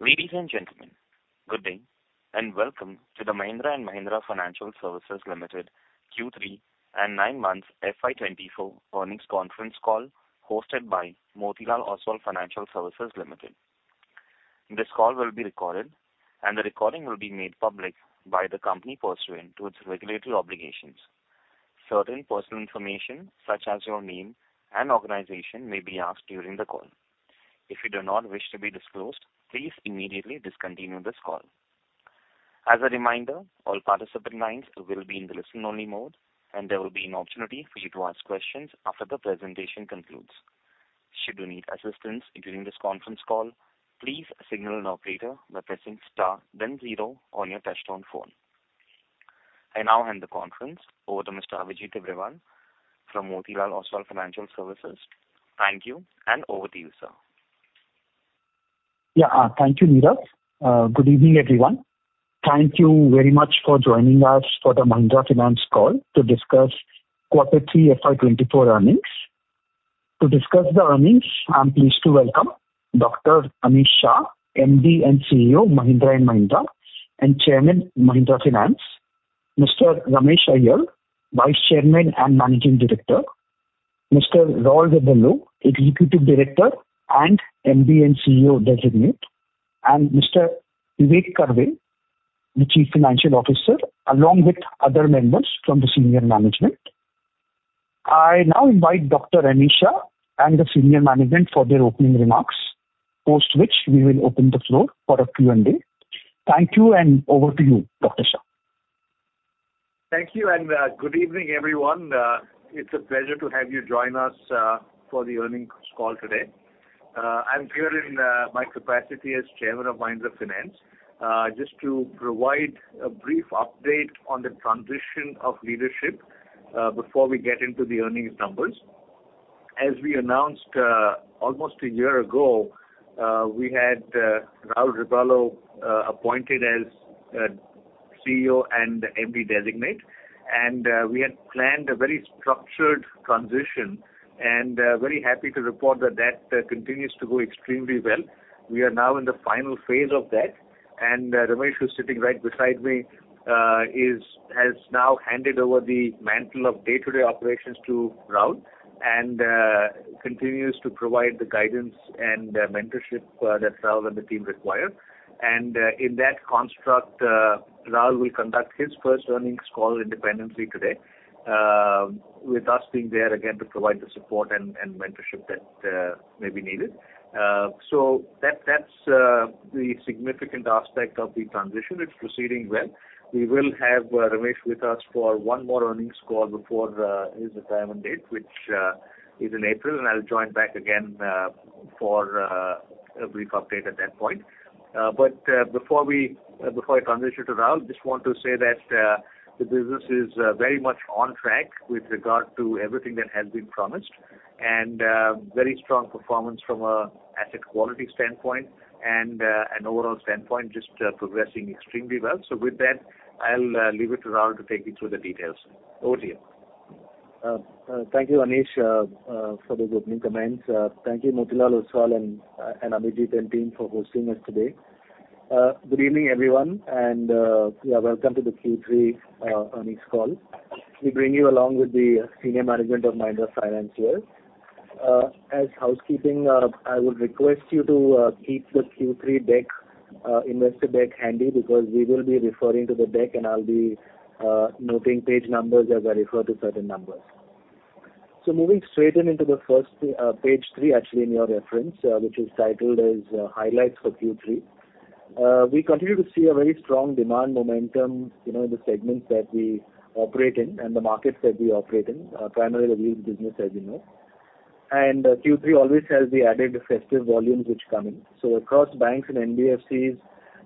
Ladies and gentlemen, good day, and welcome to the Mahindra & Mahindra Financial Services Limited Q3 and nine months FY 2024 earnings conference call, hosted by Motilal Oswal Financial Services Limited. This call will be recorded, and the recording will be made public by the company pursuant to its regulatory obligations. Certain personal information, such as your name and organization, may be asked during the call. If you do not wish to be disclosed, please immediately discontinue this call. As a reminder, all participant lines will be in the listen-only mode, and there will be an opportunity for you to ask questions after the presentation concludes. Should you need assistance during this conference call, please signal an operator by pressing star then zero on your touchtone phone. I now hand the conference over to Mr. Abhijit Tibrewal from Motilal Oswal Financial Services. Thank you, and over to you, sir. Yeah, thank you, Neeraj. Good evening, everyone. Thank you very much for joining us for the Mahindra Finance call to discuss quarter three FY 2024 earnings. To discuss the earnings, I'm pleased to welcome Dr. Anish Shah, MD and CEO, Mahindra & Mahindra, and Chairman, Mahindra Finance; Mr. Ramesh Iyer, Vice Chairman and Managing Director; Mr. Raul Rebello, Executive Director and MD and CEO Designate; and Mr. Vivek Karve, the Chief Financial Officer, along with other members from the senior management. I now invite Dr. Anish Shah and the senior management for their opening remarks, post which we will open the floor for a Q&A. Thank you, and over to you, Dr. Shah. Thank you, and good evening, everyone. It's a pleasure to have you join us for the earnings call today. I'm here in my capacity as Chairman of Mahindra Finance. Just to provide a brief update on the transition of leadership before we get into the earnings numbers. As we announced almost a year ago, we had Raul Rebello appointed as CEO and MD designate, and we had planned a very structured transition, and very happy to report that that continues to go extremely well. We are now in the final phase of that, and Ramesh, who is sitting right beside me, has now handed over the mantle of day-to-day operations to Raul and continues to provide the guidance and mentorship that Raul and the team require. In that construct, Raul will conduct his first earnings call independently today, with us being there again to provide the support and mentorship that may be needed. So that's the significant aspect of the transition. It's proceeding well. We will have Ramesh with us for one more earnings call before his retirement date, which is in April, and I'll join back again for a brief update at that point. But before I turn this to Raul, just want to say that the business is very much on track with regard to everything that has been promised and very strong performance from an asset quality standpoint and an overall standpoint, just progressing extremely well. So with that, I'll leave it to Raul to take you through the details. Over to you. Thank you, Anish, for those opening comments. Thank you, Motilal Oswal and Abhijit and team for hosting us today. Good evening, everyone, and yeah, welcome to the Q3 earnings call. We bring you along with the senior management of Mahindra Finance here. As housekeeping, I would request you to keep the Q3 deck, investor deck handy, because we will be referring to the deck, and I'll be noting page numbers as I refer to certain numbers. So moving straight into the first page three, actually, in your reference, which is titled as Highlights for Q3. We continue to see a very strong demand momentum, you know, in the segments that we operate in and the markets that we operate in, primarily the rural business, as you know. Q3 always has the added festive volumes which come in. So across banks and NBFCs,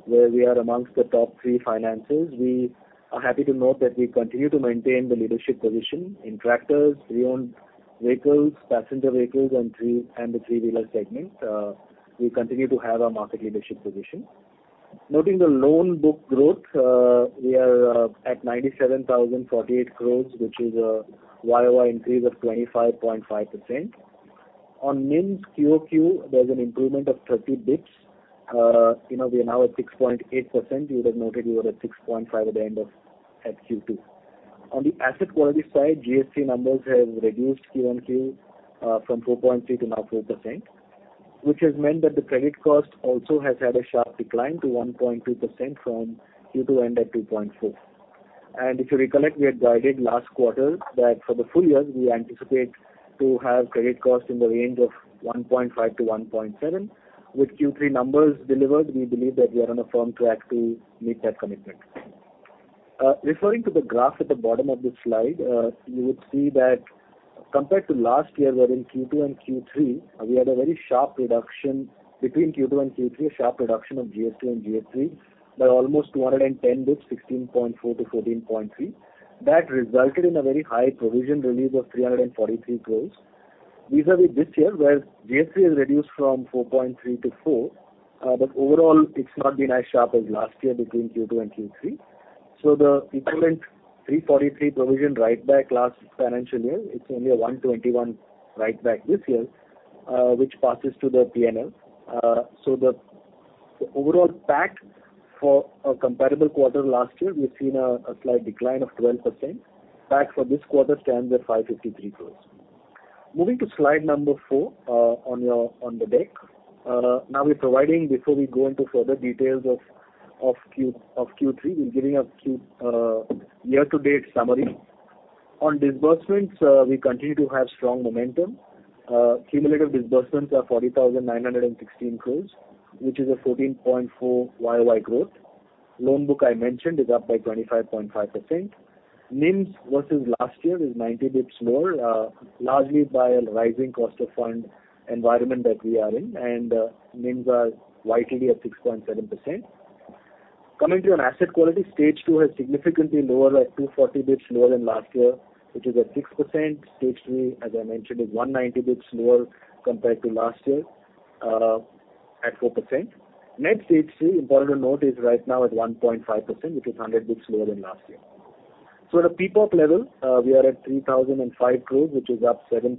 where we are amongst the top three financers, we are happy to note that we continue to maintain the leadership position. In tractors, re-owned vehicles, passenger vehicles, three-wheelers, and the three-wheeler segment, we continue to have a market leadership position. Noting the loan book growth, we are at 97,048 crore, which is a YOY increase of 25.5%. On NIMs QoQ, there's an improvement of thirty basis points. You know, we are now at 6.8%. You would have noted we were at 6.5% at the end of Q2. On the asset quality side, GS3 numbers have reduced QoQ from 4.3% to now 4%, which has meant that the credit cost also has had a sharp decline to 1.2% from Q2 end at 2.4%. And if you recollect, we had guided last quarter that for the full year, we anticipate to have credit costs in the range of 1.5%-1.7%. With Q3 numbers delivered, we believe that we are on a firm track to meet that commitment. Referring to the graph at the bottom of this slide, you would see that compared to last year, where in Q2 and Q3, we had a very sharp reduction between Q2 and Q3, a sharp reduction of GS3 and GNPA by almost 210 basis points, 16.4%-14.3%. That resulted in a very high provision release of 343 crore. Vis-a-vis this year, where GST has reduced from 4.3%-4%, but overall, it's not been as sharp as last year between Q2 and Q3. So the equivalent 343 provision write-back last financial year, it's only a 121 write-back this year, which passes to the PNL. So the overall PAT for a comparable quarter last year, we've seen a slight decline of 12%. PAT for this quarter stands at 553 crore. Moving to slide number four, on the deck. Now we're providing, before we go into further details of Q3, we're giving a year-to-date summary. On disbursements, we continue to have strong momentum. Cumulative disbursements are 40,916 crore, which is a 14.4% YOY growth. Loan book, I mentioned, is up by 25.5%. NIMs versus last year is 90 basis points more, largely by a rising cost of fund environment that we are in, and NIMs are YTD at 6.7%. Coming to an asset quality, Stage II has significantly lower, at 240 basis points lower than last year, which is at 6%. Stage III, as I mentioned, is 190 basis points lower compared to last year, at 4%. Net Stage III, important to note, is right now at 1.5%, which is 100 basis points lower than last year. So at a PPOP level, we are at 3,005 crore, which is up 7%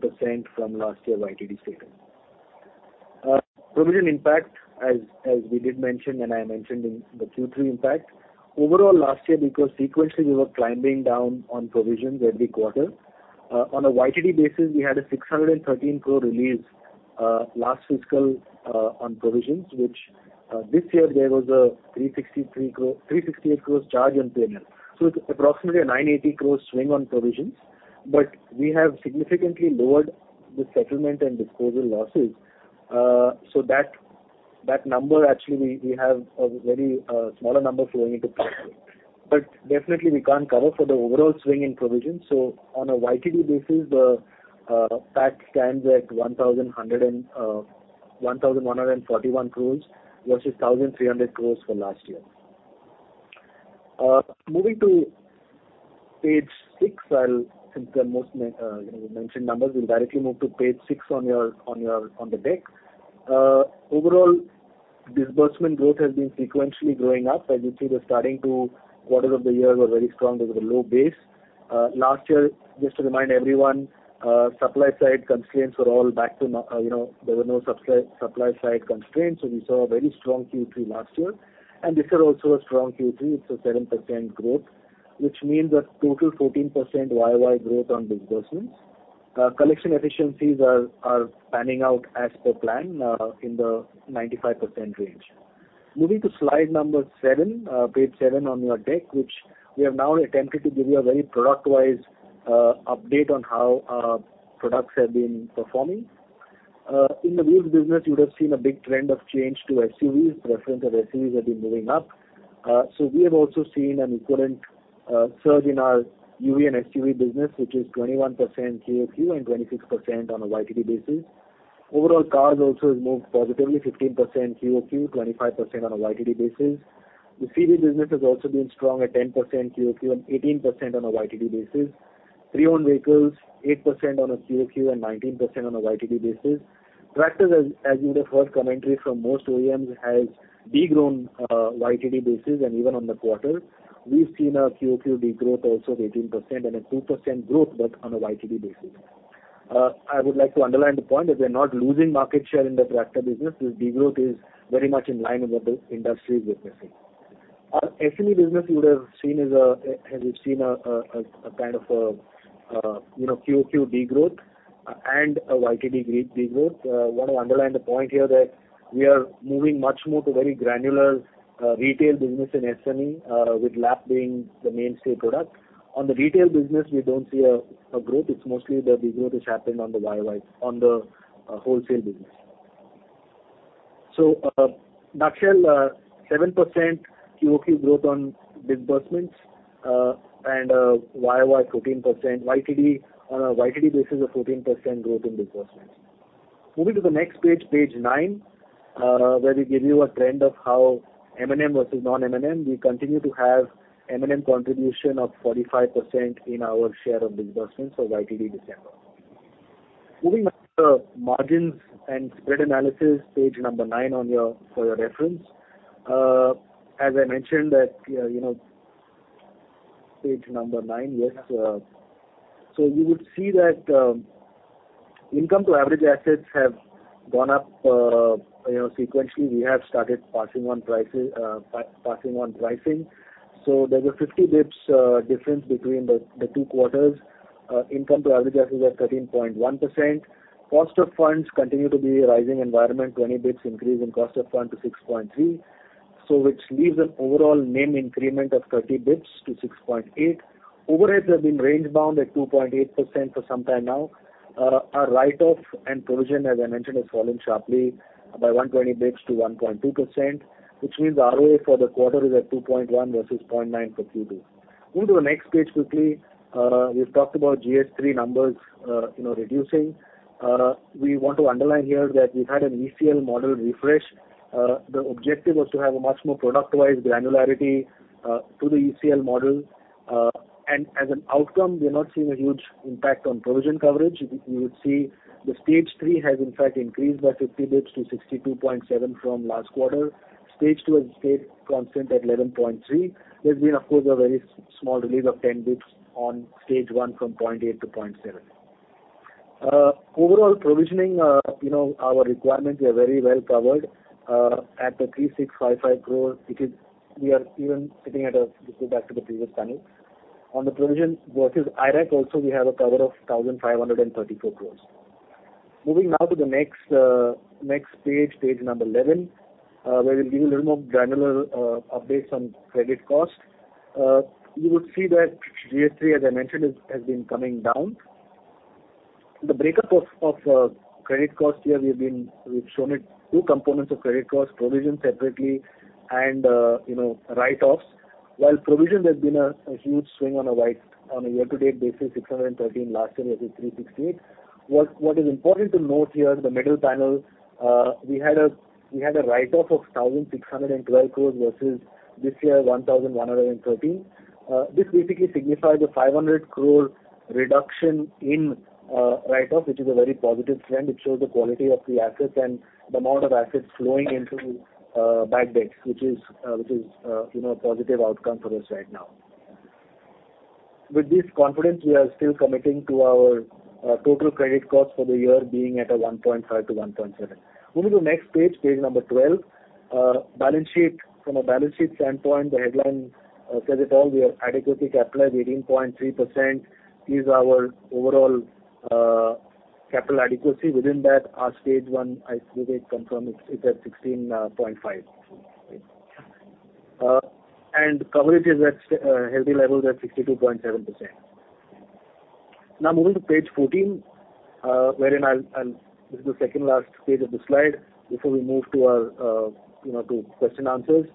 from last year YTD statement. Provision impact, as we did mention, and I mentioned in the Q3 impact, overall last year, because sequentially we were climbing down on provisions every quarter, on a YTD basis, we had a 613 crore release, last fiscal, on provisions, which, this year there was a 363 crore-368 crores charge on PNL. So it's approximately a 980 crores swing on provisions, but we have significantly lowered the settlement and disposal losses. So that number, actually, we have a very smaller number flowing into profit. But definitely we can't cover for the overall swing in provisions. So on a YTD basis, the PAT stands at 1,141 crores versus 1,300 crores for last year. Moving to page six, since I mentioned numbers, you know, we'll directly move to page six on your deck. Overall, disbursement growth has been sequentially growing up. As you see, quarters of the year were very strong because of a low base. Last year, just to remind everyone, supply side constraints were all back to normal—you know, there were no supply side constraints, so we saw a very strong Q3 last year. And this year also a strong Q3, it's a 7% growth, which means a total 14% YOY growth on disbursements. Collection efficiencies are panning out as per plan in the 95% range. Moving to slide number seven, page seven on your deck, which we have now attempted to give you a very product-wise update on how our products have been performing. In the wheels business, you would have seen a big trend of change to SUVs. Preference of SUVs have been moving up. So we have also seen an equivalent surge in our UV and SUV business, which is 21% QoQ, and 26% on a YTD basis. Overall, cars also has moved positively 15% QoQ, 25% on a YTD basis. The CV business has also been strong at 10% QoQ and 18% on a YTD basis. Pre-owned vehicles, 8% on a QoQ and 19% on a YTD basis. Tractors, as you would have heard commentary from most OEMs, has de-grown YTD basis and even on the quarter. We've seen a QoQ degrowth also of 18% and a 2% growth, but on a YTD basis. I would like to underline the point that we're not losing market share in the tractor business. This degrowth is very much in line with what the industry is witnessing. Our SME business, you would have seen is a has seen a, a, a kind of a you know QoQ degrowth and a YTD degrowth. I want to underline the point here that we are moving much more to very granular retail business in SME with LAP being the mainstay product. On the retail business, we don't see a growth. It's mostly the degrowth which happened on the YOY on the wholesale business. So, nutshell, 7% QoQ growth on disbursements and YOY 14%. YTD, on a YTD basis, 14% growth in disbursements. Moving to the next page, page nine, where we give you a trend of how M&M versus non-M&M. We continue to have M&M contribution of 45% in our share of disbursements for YTD December. Moving on to margins and spread analysis, page number nine for your reference. As I mentioned that, you know... Page number nine, yes. So you would see that, income to average assets have gone up, you know, sequentially. We have started passing on prices, passing on pricing. So there's a 50 basis points difference between the two quarters. Income to average assets is at 13.1%. Cost of funds continue to be a rising environment, 20basis points increase in cost of fund to 6.3, so which leaves an overall NIM increment of 30basis points to 6.8. Overheads have been range bound at 2.8% for some time now. Our write-off and provision, as I mentioned, has fallen sharply by 120basis points to 1.2%, which means ROA for the quarter is at 2.1 versus 0.9 for Q2. Moving to the next page quickly, we've talked about GS3 numbers, you know, reducing. We want to underline here that we've had an ECL model refresh. The objective was to have a much more product-wise granularity to the ECL model, and as an outcome, we are not seeing a huge impact on provision coverage. You would see the Stage 3 has in fact increased by 50 basis points to 62.7 from last quarter. Stage 2 has stayed constant at 11.3. There's been, of course, a very small relief of 10 basis points on Stage 1 from 0.8 to 0.7. Overall provisioning, you know, our requirements are very well covered at the 3,655 crore. It is. We are even sitting at. This is back to the previous panel. On the provision versus IRAC also, we have a cover of 1,534 crores. Moving now to the next page, page number 11, where we'll give a little more granular updates on credit cost. You would see that GS3, as I mentioned, has been coming down. The breakup of credit cost here, we've been... We've shown it two components of credit cost, provision separately and, you know, write-offs. While provisions have been a huge swing on a year-to-date basis, 613 crore last year, it was 368 crore. What is important to note here, the middle panel, we had a write-off of 1,612 crore versus this year, 1,113 crore. This basically signifies a 500 crore reduction in write-off, which is a very positive trend. It shows the quality of the assets and the amount of assets flowing into bad banks, which is, you know, a positive outcome for us right now. With this confidence, we are still committing to our total credit cost for the year being at 1.5-1.7. Moving to the next page, page 12. Balance sheet. From a balance sheet standpoint, the headline says it all. We are adequately capitalized, 18.3% is our overall capital adequacy. Within that, our Stage 1, I believe, it's at 16.5. And coverage is at healthy levels at 62.7%. Now moving to page 14, wherein I'll. This is the second last page of the slide before we move to our, you know, to question and answers.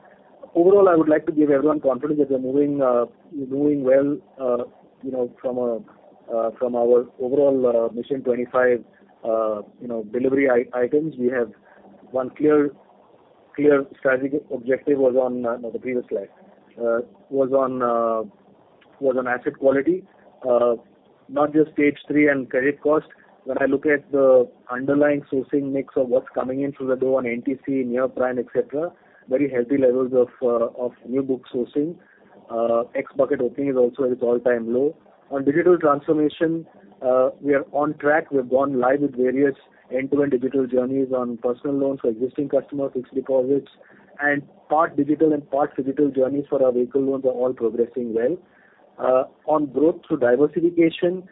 Overall, I would like to give everyone confidence that we're moving well, you know, from our overall Mission 25, you know, delivery items. We have one clear strategic objective was on the previous slide was on asset quality, not just Stage 3 and credit cost. When I look at the underlying sourcing mix of what's coming in through the door on NTC, near-prime, et cetera, very healthy levels of new book sourcing. X bucket opening is also at its all-time low. On digital transformation, we are on track. We've gone live with various end-to-end digital journeys on personal loans for existing customers, fixed deposits, and part digital and part physical journeys for our vehicle loans are all progressing well. On growth through diversification,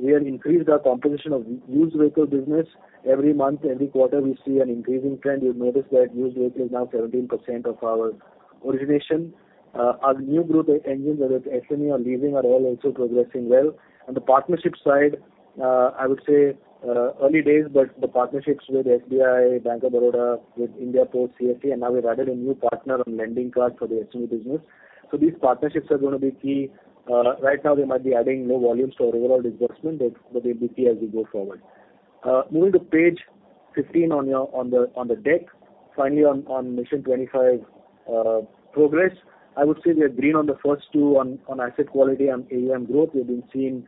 we have increased our composition of used vehicle business. Every month, every quarter, we see an increasing trend. You'll notice that used vehicle is now 17% of our origination. Our new growth engines, whether SME or leasing, are all also progressing well. On the partnership side, I would say, early days, but the partnerships with SBI, Bank of Baroda, with India Post CFA, and now we've added a new partner onLendingkart for the SME business. So these partnerships are gonna be key. Right now, they might be adding low volumes to our overall disbursement, but, but they'll be key as we go forward. Moving to page 15 on the deck. Finally, on Mission 25 progress, I would say we are green on the first two, on asset quality and AUM growth. We've been seeing,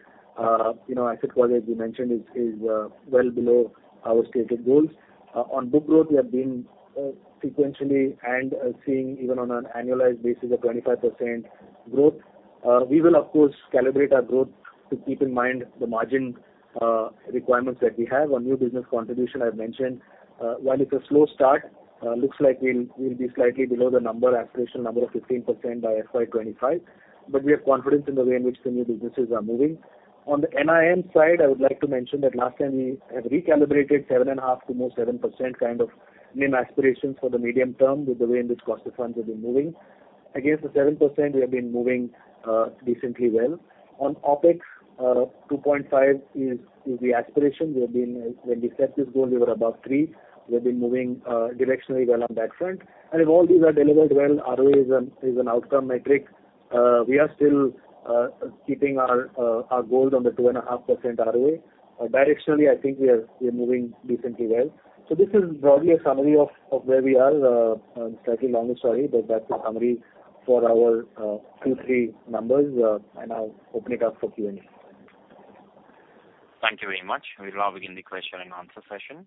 you know, asset quality, as we mentioned, is well below our stated goals. On book growth, we have been sequentially and seeing even on an annualized basis, a 25% growth. We will, of course, calibrate our growth to keep in mind the margin requirements that we have. On new business contribution, I've mentioned, while it's a slow start, looks like we'll, we'll be slightly below the number, aspirational number of 15% by FY 2025, but we have confidence in the way in which the new businesses are moving. On the NIM side, I would like to mention that last time we have recalibrated 7.5 to more 7% kind of NIM aspirations for the medium term, with the way in which cost of funds have been moving. Against the 7%, we have been moving decently well. On OpEx, 2.5 is, is the aspiration. We have been, when we set this goal, we were above three. We have been moving directionally well on that front. And if all these are delivered well, ROA is an, is an outcome metric. We are still keeping our, our goal on the 2.5% ROA. Directionally, I think we are, we're moving decently well. So this is broadly a summary of, of where we are. A slightly longer story, but that's the summary for our Q3 numbers, and I'll open it up for Q&A. Thank you very much. We'll now begin the question and answer session.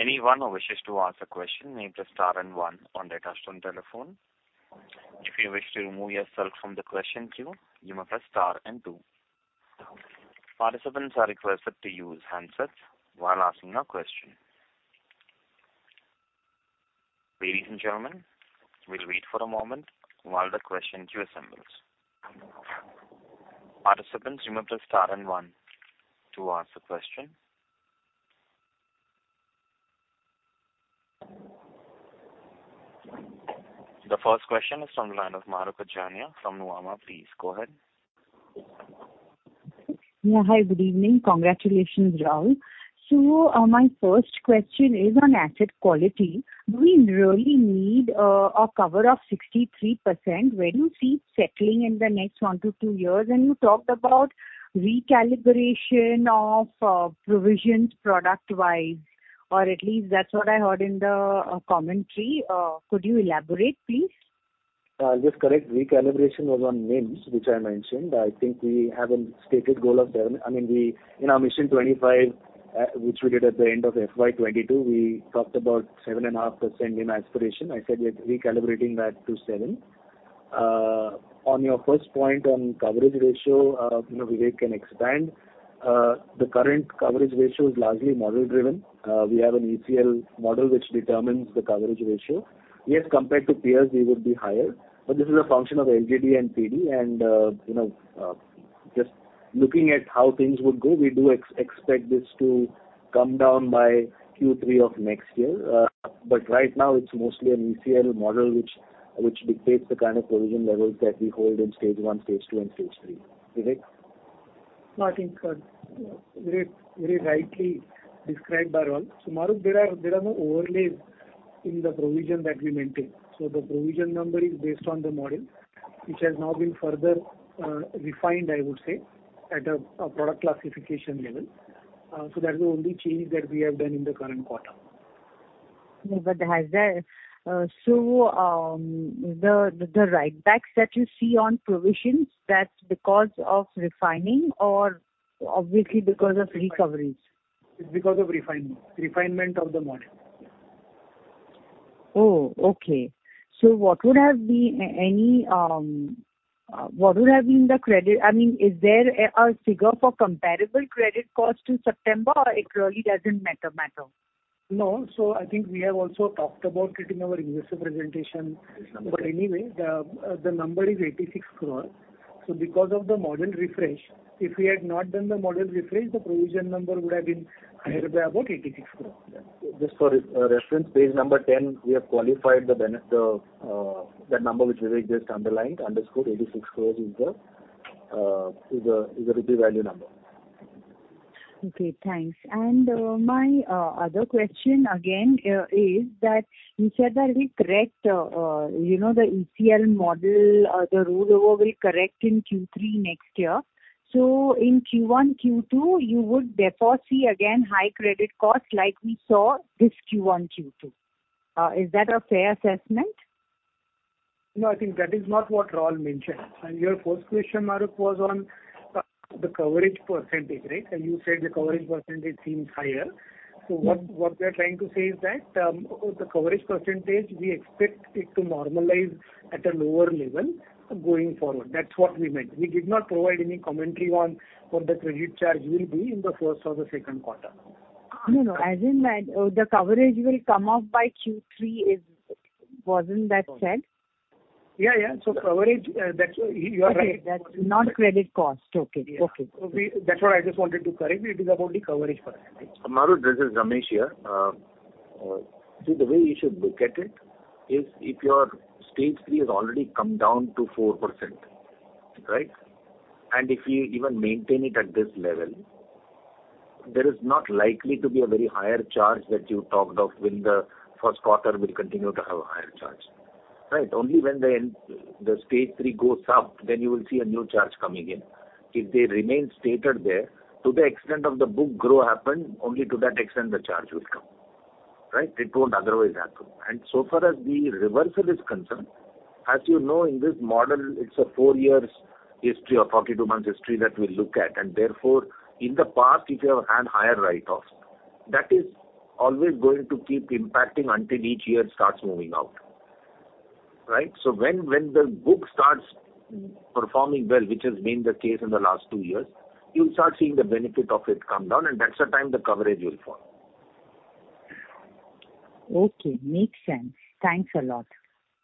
Anyone who wishes to ask a question, may press star and one on their touch-tone telephone. If you wish to remove yourself from the question queue, you may press star and two. Participants are requested to use handsets while asking a question. Ladies and gentlemen, we'll wait for a moment while the question queue assembles. Participants, you may press star and one to ask a question. The first question is from the line of Madhur Jain from Nomura. Please, go ahead. Yeah. Hi, good evening. Congratulations, Raul. So, my first question is on asset quality. Do we really need a cover of 63%? Where do you see settling in the next one to two years? And you talked about recalibration of provisions product-wise.... or at least that's what I heard in the commentary. Could you elaborate, please? I'll just correct, recalibration was on MIMS, which I mentioned. I think we have a stated goal of there. I mean, we, in our Mission 25, which we did at the end of FY 2022, we talked about 7.5% in aspiration. I said we are recalibrating that to 7%. On your first point on coverage ratio, you know, Vivek can expand. The current coverage ratio is largely model-driven. We have an ECL model which determines the coverage ratio. Yes, compared to peers, we would be higher, but this is a function of LGD and PD. And, you know, just looking at how things would go, we do expect this to come down by Q3 of next year. Right now, it's mostly an ECL model, which dictates the kind of provision levels that we hold in Stage 1, Stage 2, and Stage 3. Vivek? No, I think, very, very rightly described by Raul. So Madhur, there are, there are no overlays in the provision that we maintain. So the provision number is based on the model, which has now been further, refined, I would say, at a, a product classification level. So that's the only change that we have done in the current quarter. No, but has there... So, the write-backs that you see on provisions, that's because of refining or obviously because of recoveries? It's because of refining, refinement of the model. Oh, okay. So what would have been the credit? I mean, is there a figure for comparable credit cost in September, or it really doesn't matter? No. So I think we have also talked about it in our investor presentation. But anyway, the number is 86 crore. So because of the model refresh, if we had not done the model refresh, the provision number would have been higher by about 86 crore. Just for reference, page number 10, we have qualified that number, which Vivek just underlined, underscored, 86 crore is the repeat value number. Okay, thanks. And, my other question again, is that you said that we correct, you know, the ECL model, the rollover will correct in Q3 next year. So in Q1, Q2, you would therefore see again high credit costs like we saw this Q1, Q2. Is that a fair assessment? No, I think that is not what Raul mentioned. And your first question, Madhur, was on the coverage percentage, right? And you said the coverage percentage seems higher. Yes. So what, what we are trying to say is that, the coverage percentage, we expect it to normalize at a lower level going forward. That's what we meant. We did not provide any commentary on what the credit charge will be in the first or the second quarter. No, no, as in that, the coverage will come up by Q3, wasn't that said? Yeah, yeah. Coverage, that's, you are right. Okay, that's not credit cost. Okay. Okay. That's what I just wanted to correct. It is about the coverage percentage. Madhur, this is Ramesh here. So the way you should look at it is if your Stage 3 has already come down to 4%, right? And if you even maintain it at this level, there is not likely to be a very higher charge that you talked of when the first quarter will continue to have a higher charge, right? Only when the Stage 3 goes up, then you will see a new charge coming in. If they remain stated there, to the extent of the book grow happen, only to that extent the charge will come, right? It won't otherwise happen. So far as the reversal is concerned, as you know, in this model, it's a four years history or 42 months history that we look at, and therefore, in the past, if you have had higher write-offs, that is always going to keep impacting until each year starts moving out, right? So when the book starts performing well, which has been the case in the last two years, you'll start seeing the benefit of it come down, and that's the time the coverage will fall. Okay, makes sense. Thanks a lot.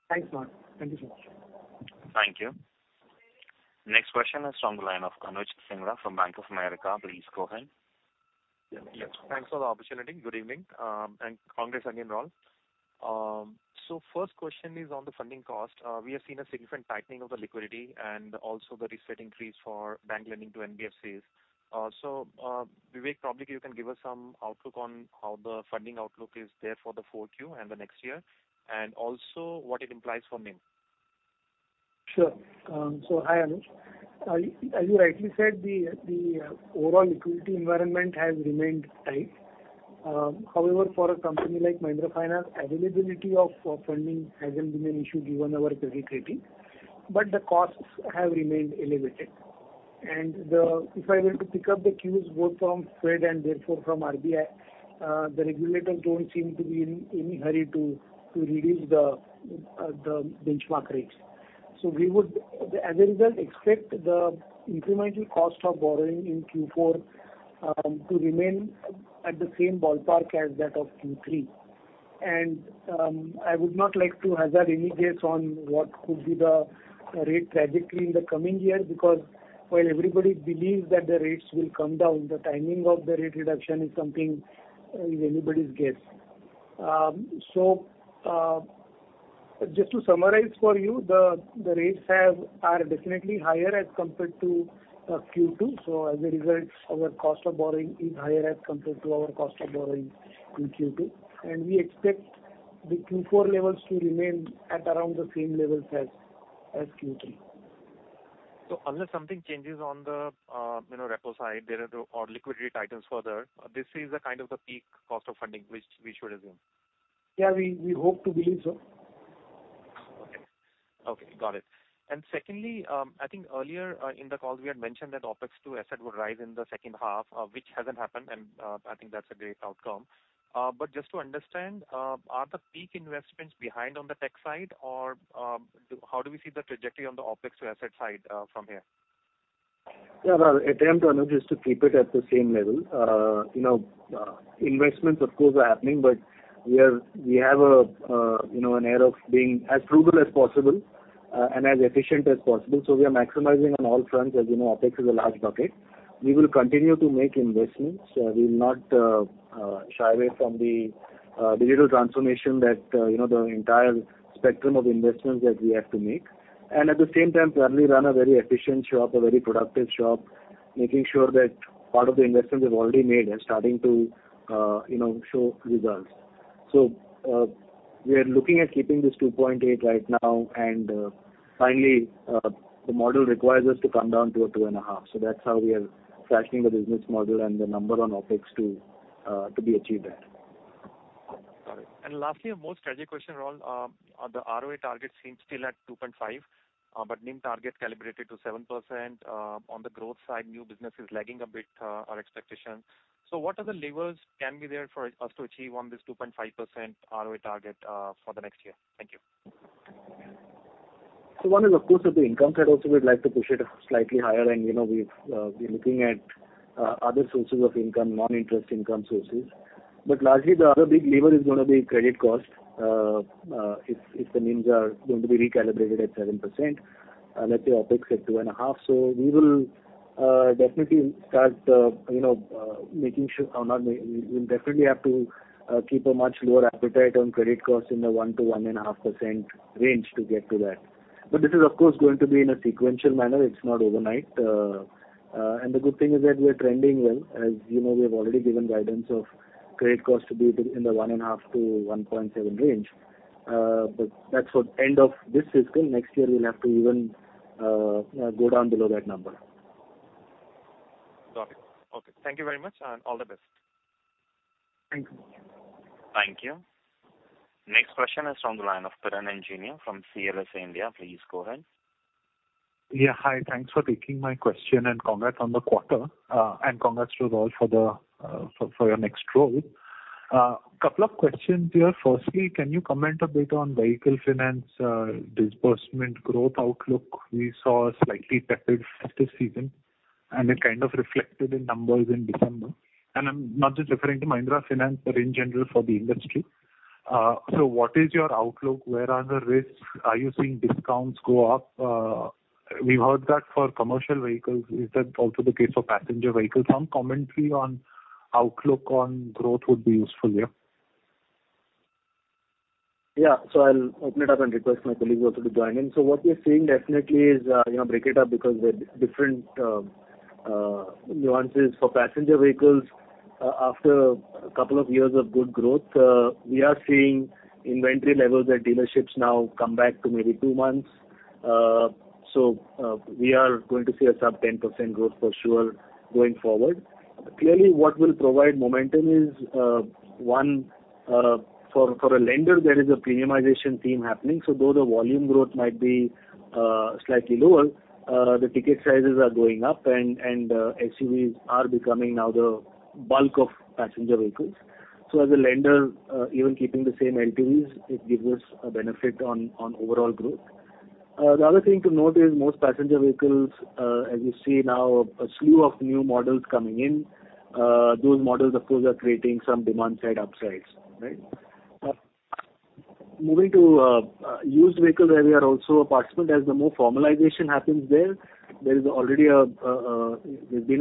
Thanks, Madhur. Thank you so much. Thank you. Next question is from the line of Anuj Singla from Bank of America. Please go ahead. Yes, thanks for the opportunity. Good evening, and congrats again, Raul. So first question is on the funding cost. We have seen a significant tightening of the liquidity and also the risk weight increase for bank lending to NBFCs. So, Vivek, probably you can give us some outlook on how the funding outlook is there for the 4Q and the next year, and also what it implies for NIM? Sure. So hi, Anuj. As you rightly said, the overall liquidity environment has remained tight. However, for a company like Mahindra Finance, availability of funding hasn't been an issue given our credit rating, but the costs have remained elevated. If I were to pick up the cues, both from the Fed and therefore from RBI, the regulators don't seem to be in any hurry to reduce the benchmark rates. So we would, as a result, expect the incremental cost of borrowing in Q4 to remain at the same ballpark as that of Q3. I would not like to hazard any guess on what could be the rate trajectory in the coming year, because while everybody believes that the rates will come down, the timing of the rate reduction is something is anybody's guess. So, just to summarize for you, the rates are definitely higher as compared to Q2. So as a result, our cost of borrowing is higher as compared to our cost of borrowing in Q2, and we expect the Q4 levels to remain at around the same levels as Q3.... So unless something changes on the, you know, repo side, there are the, or liquidity items further, this is the kind of the peak cost of funding which we should assume? Yeah, we hope to believe so. Okay. Okay, got it. And secondly, I think earlier in the call we had mentioned that OpEx to asset would rise in the second half, which hasn't happened, and I think that's a great outcome. But just to understand, are the peak investments behind on the tech side or how do we see the trajectory on the OpEx to asset side from here? Yeah, well, attempt, Anuj, is to keep it at the same level. You know, investments of course, are happening, but we are. We have a, you know, an era of being as frugal as possible, and as efficient as possible. So we are maximizing on all fronts. As you know, OpEx is a large bucket. We will continue to make investments. We will not shy away from the digital transformation that, you know, the entire spectrum of investments that we have to make. And at the same time, clearly run a very efficient shop, a very productive shop, making sure that part of the investments we've already made are starting to, you know, show results. So, we are looking at keeping this 2.8 right now, and, finally, the model requires us to come down to a 2.5. So that's how we are tracking the business model and the number on OpEx to, to be achieved there. Got it. And lastly, a more strategic question, Raul. On the ROA target seems still at 2.5, but NIM target calibrated to 7%. On the growth side, new business is lagging a bit, our expectations. So what are the levers can be there for us to achieve on this 2.5% ROA target, for the next year? Thank you. So one is, of course, at the income side also, we'd like to push it slightly higher, and, you know, we've, we're looking at, other sources of income, non-interest income sources. But largely the other big lever is gonna be credit cost. If, if the NIMs are going to be recalibrated at 7%, unless your OpEx at 2.5. So we will, definitely start, you know, making sure or not... We, we definitely have to, keep a much lower appetite on credit costs in the 1%-1.5% range to get to that. But this is, of course, going to be in a sequential manner. It's not overnight. And the good thing is that we are trending well. As you know, we have already given guidance of credit costs to be in the 1.5%-1.7% range. But that's for end of this fiscal. Next year, we'll have to even go down below that number. Got it. Okay, thank you very much, and all the best. Thank you. Thank you. Next question is from the line of Piran Engineer from CLSA India. Please go ahead. Yeah, hi. Thanks for taking my question and congrats on the quarter, and congrats to Raul for the, for your next role. Couple of questions here. Firstly, can you comment a bit on vehicle finance, disbursement growth outlook? We saw a slightly tepid festive season, and it kind of reflected in numbers in December. And I'm not just referring to Mahindra Finance, but in general for the industry. So what is your outlook? Where are the risks? Are you seeing discounts go up? We've heard that for commercial vehicles, is that also the case for passenger vehicles? Some commentary on outlook on growth would be useful, yeah. Yeah. So I'll open it up and request my colleagues also to join in. So what we are seeing definitely is, you know, break it up because there are different nuances for passenger vehicles. After a couple of years of good growth, we are seeing inventory levels at dealerships now come back to maybe two months. So we are going to see a sub-10% growth for sure, going forward. Clearly, what will provide momentum is, one, for a lender, there is a premiumization theme happening. So though the volume growth might be slightly lower, the ticket sizes are going up and SUVs are becoming now the bulk of passenger vehicles. So as a lender, even keeping the same LTVs, it gives us a benefit on overall growth. The other thing to note is, most passenger vehicles, as you see now, a slew of new models coming in. Those models, of course, are creating some demand-side upsides, right? Moving to used vehicles, where we are also a participant, as the more formalization happens there, there's been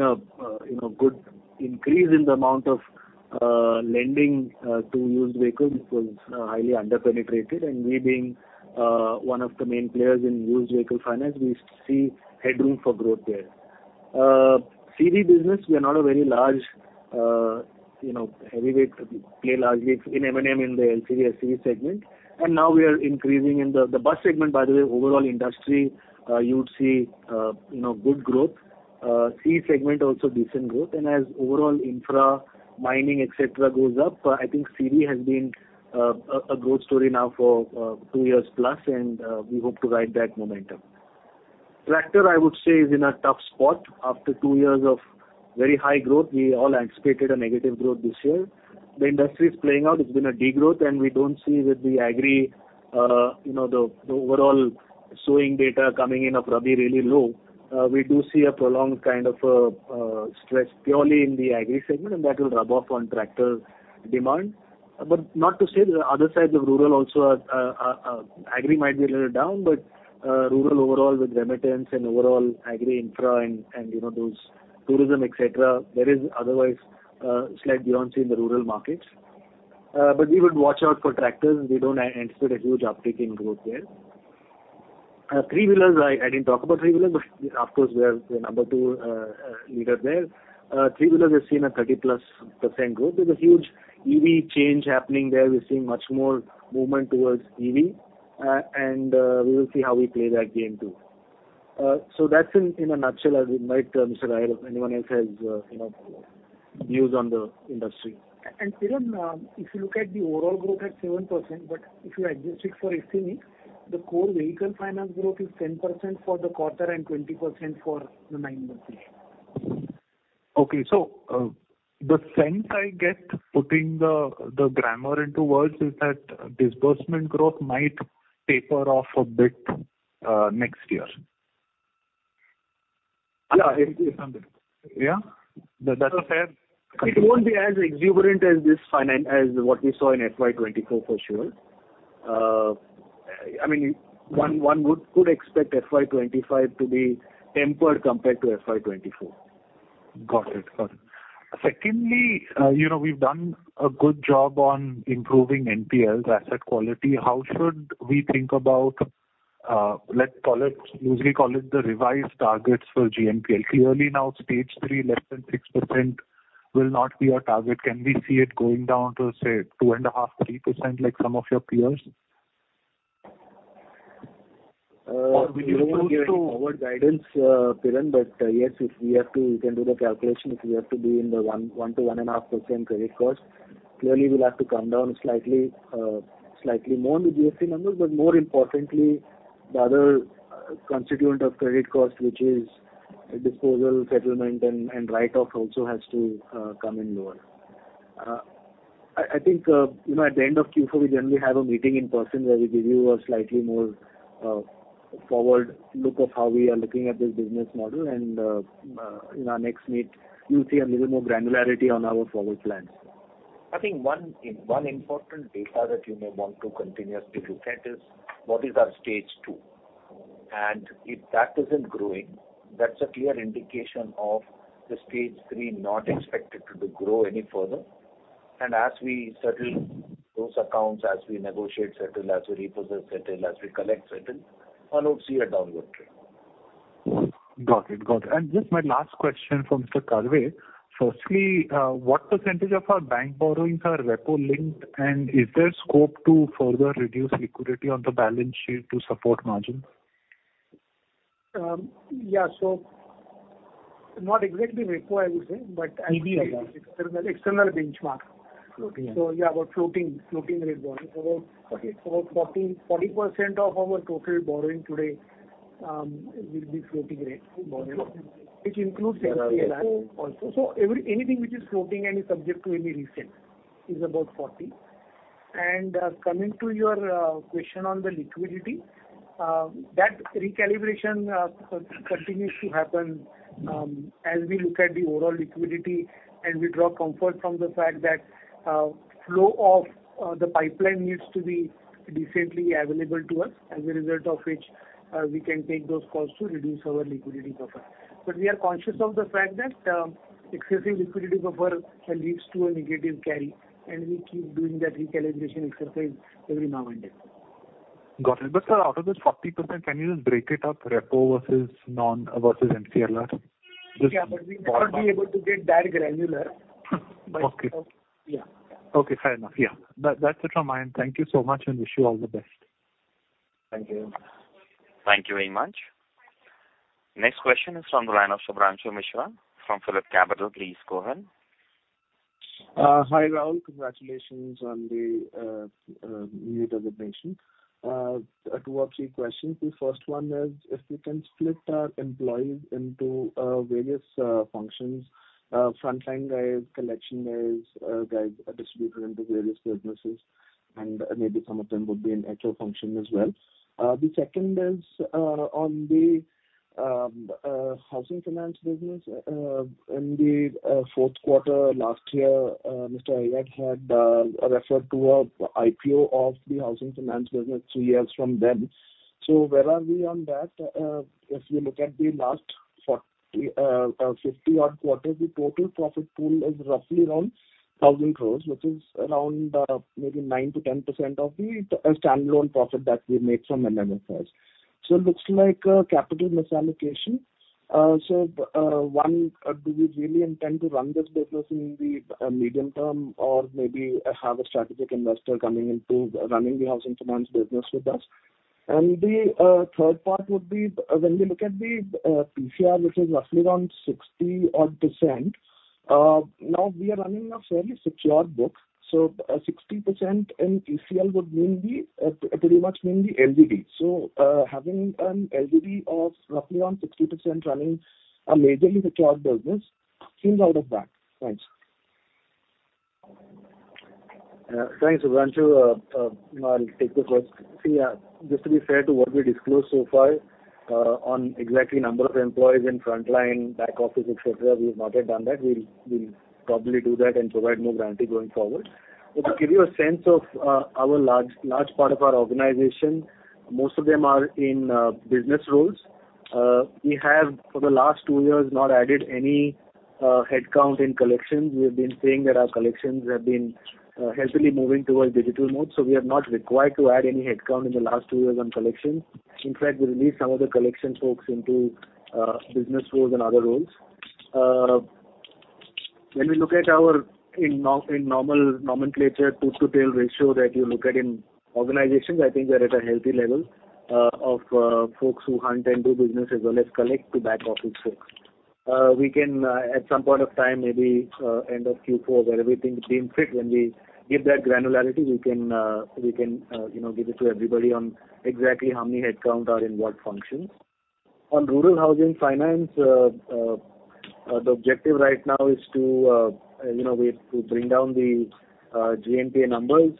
a, you know, good increase in the amount of lending to used vehicles, which was highly under-penetrated. And we being one of the main players in used vehicle finance, we see headroom for growth there. CV business, we are not a very large, you know, heavyweight player, largely in M&M in the LCV and CV segment, and now we are increasing in the... The bus segment, by the way, overall industry, you would see, you know, good growth. CV segment, also decent growth. As overall infra, mining, et cetera, goes up, I think CV has been a growth story now for two years plus, and we hope to ride that momentum. Tractor, I would say, is in a tough spot. After two years of very high growth, we all anticipated a negative growth this year. The industry is playing out. It's been a degrowth, and we don't see that the agri, you know, the overall sowing data coming in are probably really low. We do see a prolonged kind of stretch purely in the agri segment, and that will rub off on tractor demand. But not to say the other side, the rural also, agri might be a little down, but rural overall with remittance and overall agri infra and, and, you know, those tourism, et cetera, there is otherwise slight buoyancy in the rural markets. But we would watch out for tractors, and we don't anticipate a huge uptick in growth there. Three-wheelers, I didn't talk about three-wheelers, but of course, we are the number two leader there. Three-wheelers, we've seen a 30%+ growth. There's a huge EV change happening there. We're seeing much more movement towards EV, and we will see how we play that game, too. So that's in a nutshell, as we might, Mr. Iyer, if anyone else has, you know, views on the industry. Piran, if you look at the overall growth at 7%, but if you adjust it for estimate, the core vehicle finance growth is 10% for the quarter and 20% for the nine months. Okay. So, the sense I get putting the grammar into words is that disbursement growth might taper off a bit, next year. Yeah, it's something. Yeah? That's fair. It won't be as exuberant as what we saw in FY 2024, for sure. I mean, one could expect FY 2025 to be tempered compared to FY 2024. Got it. Got it. Secondly, you know, we've done a good job on improving NPLs asset quality. How should we think about, let's call it, usually call it the revised targets for GNPL? Clearly, now, Stage 3, less than 6% will not be our target. Can we see it going down to, say, 2.5%-3%, like some of your peers? We don't give forward guidance, Piran, but, yes, if we have to, you can do the calculation. If we have to be in the 1.1%-1.5% credit cost, clearly we'll have to come down slightly, slightly more on the GFC numbers. But more importantly, the other constituent of credit cost, which is a disposal, settlement, and write-off, also has to come in lower. I think, you know, at the end of Q4, we generally have a meeting in person where we give you a slightly more forward look of how we are looking at this business model. And in our next meet, you'll see a little more granularity on our forward plans. I think one important data that you may want to continuously look at is what is our Stage 2. If that isn't growing, that's a clear indication of the Stage 3 not expected to grow any further. As we settle those accounts, as we negotiate, settle, as we repossess, settle, as we collect, settle, one would see a downward trend. Got it. Got it. Just my last question for Mr. Karve. Firstly, what percentage of our bank borrowings are repo linked? And is there scope to further reduce liquidity on the balance sheet to support margins? Yeah, so not exactly repo, I would say, but- External. External benchmark. Floating. So, yeah, about floating, floating rate borrowing. About- Okay. About 40, 40% of our total borrowing today will be floating rate borrowing, which includes NCLF also. Anything which is floating and is subject to any reset is about 40. Coming to your question on the liquidity, that recalibration continues to happen as we look at the overall liquidity, and we draw comfort from the fact that flow of the pipeline needs to be decently available to us, as a result of which we can take those calls to reduce our liquidity buffer. We are conscious of the fact that excessive liquidity buffer can lead to a negative carry, and we keep doing that recalibration exercise every now and then. Got it. But, sir, out of this 40%, can you just break it up, repo versus non, versus NCLR? Yeah, but we might not be able to get that granular. Okay. Yeah. Okay, fair enough. Yeah. That, that's it from my end. Thank you so much, and wish you all the best. Thank you. Thank you very much. Next question is from the line of Shubhranshu Mishra from Phillip Capital. Please go ahead. Hi, Raul. Congratulations on the new designation. Two or three questions. The first one is if you can split our employees into various functions, frontline guys, collection guys, guys distributed into various businesses, and maybe some of them would be in HR function as well. The second is on the housing finance business. In the fourth quarter last year, Mr. Iyer had referred to a IPO of the housing finance business three years from then. So where are we on that? If you look at the last 40, 50 odd quarters, the total profit pool is roughly around 1,000 crore, which is around maybe 9%-10% of the standalone profit that we made from MMFS. So it looks like a capital misallocation. So, one, do we really intend to run this business in the medium term, or maybe have a strategic investor coming in to running the housing finance business with us? And the third part would be, when we look at the PCR, which is roughly around 60-odd%, now we are running a fairly secured book, so 60% in ECL would mean the pretty much mean the LGD. So, having an LGD of roughly around 60% running a majorly secured business seems out of back. Thanks. Thanks, Subhranshu I'll take the first. See, just to be fair to what we disclosed so far, on exactly number of employees in frontline, back office, et cetera, we've not yet done that. We'll, we'll probably do that and provide more granularity going forward. But to give you a sense of, our large, large part of our organization, most of them are in, business roles. We have, for the last two years, not added any, headcount in collections. We have been saying that our collections have been, heavily moving towards digital mode, so we are not required to add any headcount in the last two years on collections. In fact, we released some of the collection folks into, business roles and other roles.... When we look at our in normal nomenclature, tooth-to-tail ratio that you look at in organizations, I think they're at a healthy level, of folks who hunt and do business as well as collect to back office folks. We can, at some point of time, maybe, end of Q4, where we think deem fit when we give that granularity, we can, you know, give it to everybody on exactly how many headcount are in what functions. On rural housing finance, the objective right now is to, you know, we have to bring down the GNPA numbers.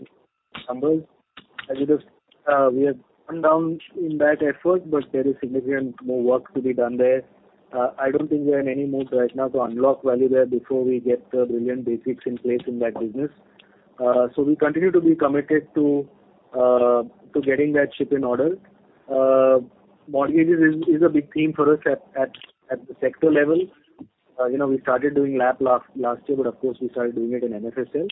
As you just, we have come down in that effort, but there is significant more work to be done there. I don't think we're in any mood right now to unlock value there before we get the brilliant basics in place in that business. So we continue to be committed to getting that ship in order. Mortgages is a big theme for us at the sector level. You know, we started doing LAP last year, but of course, we started doing it in MFSL.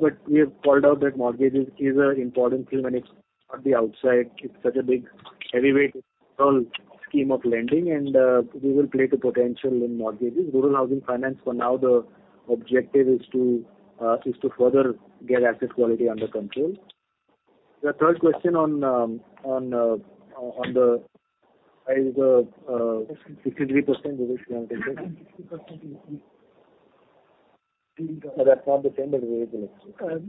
But we have called out that mortgages is an important theme and it's on the outside. It's such a big heavyweight scheme of lending, and we will play the potential in mortgages. Rural housing finance, for now, the objective is to further get asset quality under control. The third question on 63%. That's not the same but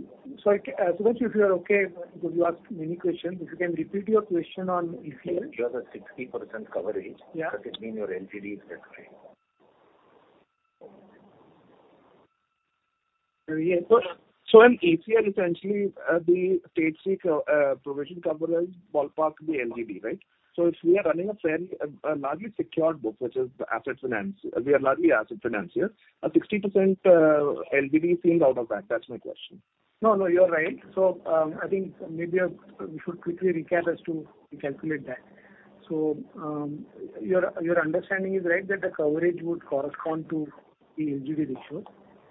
So if you are okay, because you asked many questions. If you can repeat your question on ECL? You have a 60% coverage- Yeah. Does it mean your LGD is that right? Yeah. So, so in ECL, essentially, the states seek, provision coverage, ballpark, the LGD, right? So if we are running a fairly, a largely secured book, which is the asset finance, we are largely asset financier. A 60% LGD seems out of that. That's my question. No, no, you're right. So, I think maybe we should quickly recap as to calculate that. So, your, your understanding is right, that the coverage would correspond to the LGD ratio,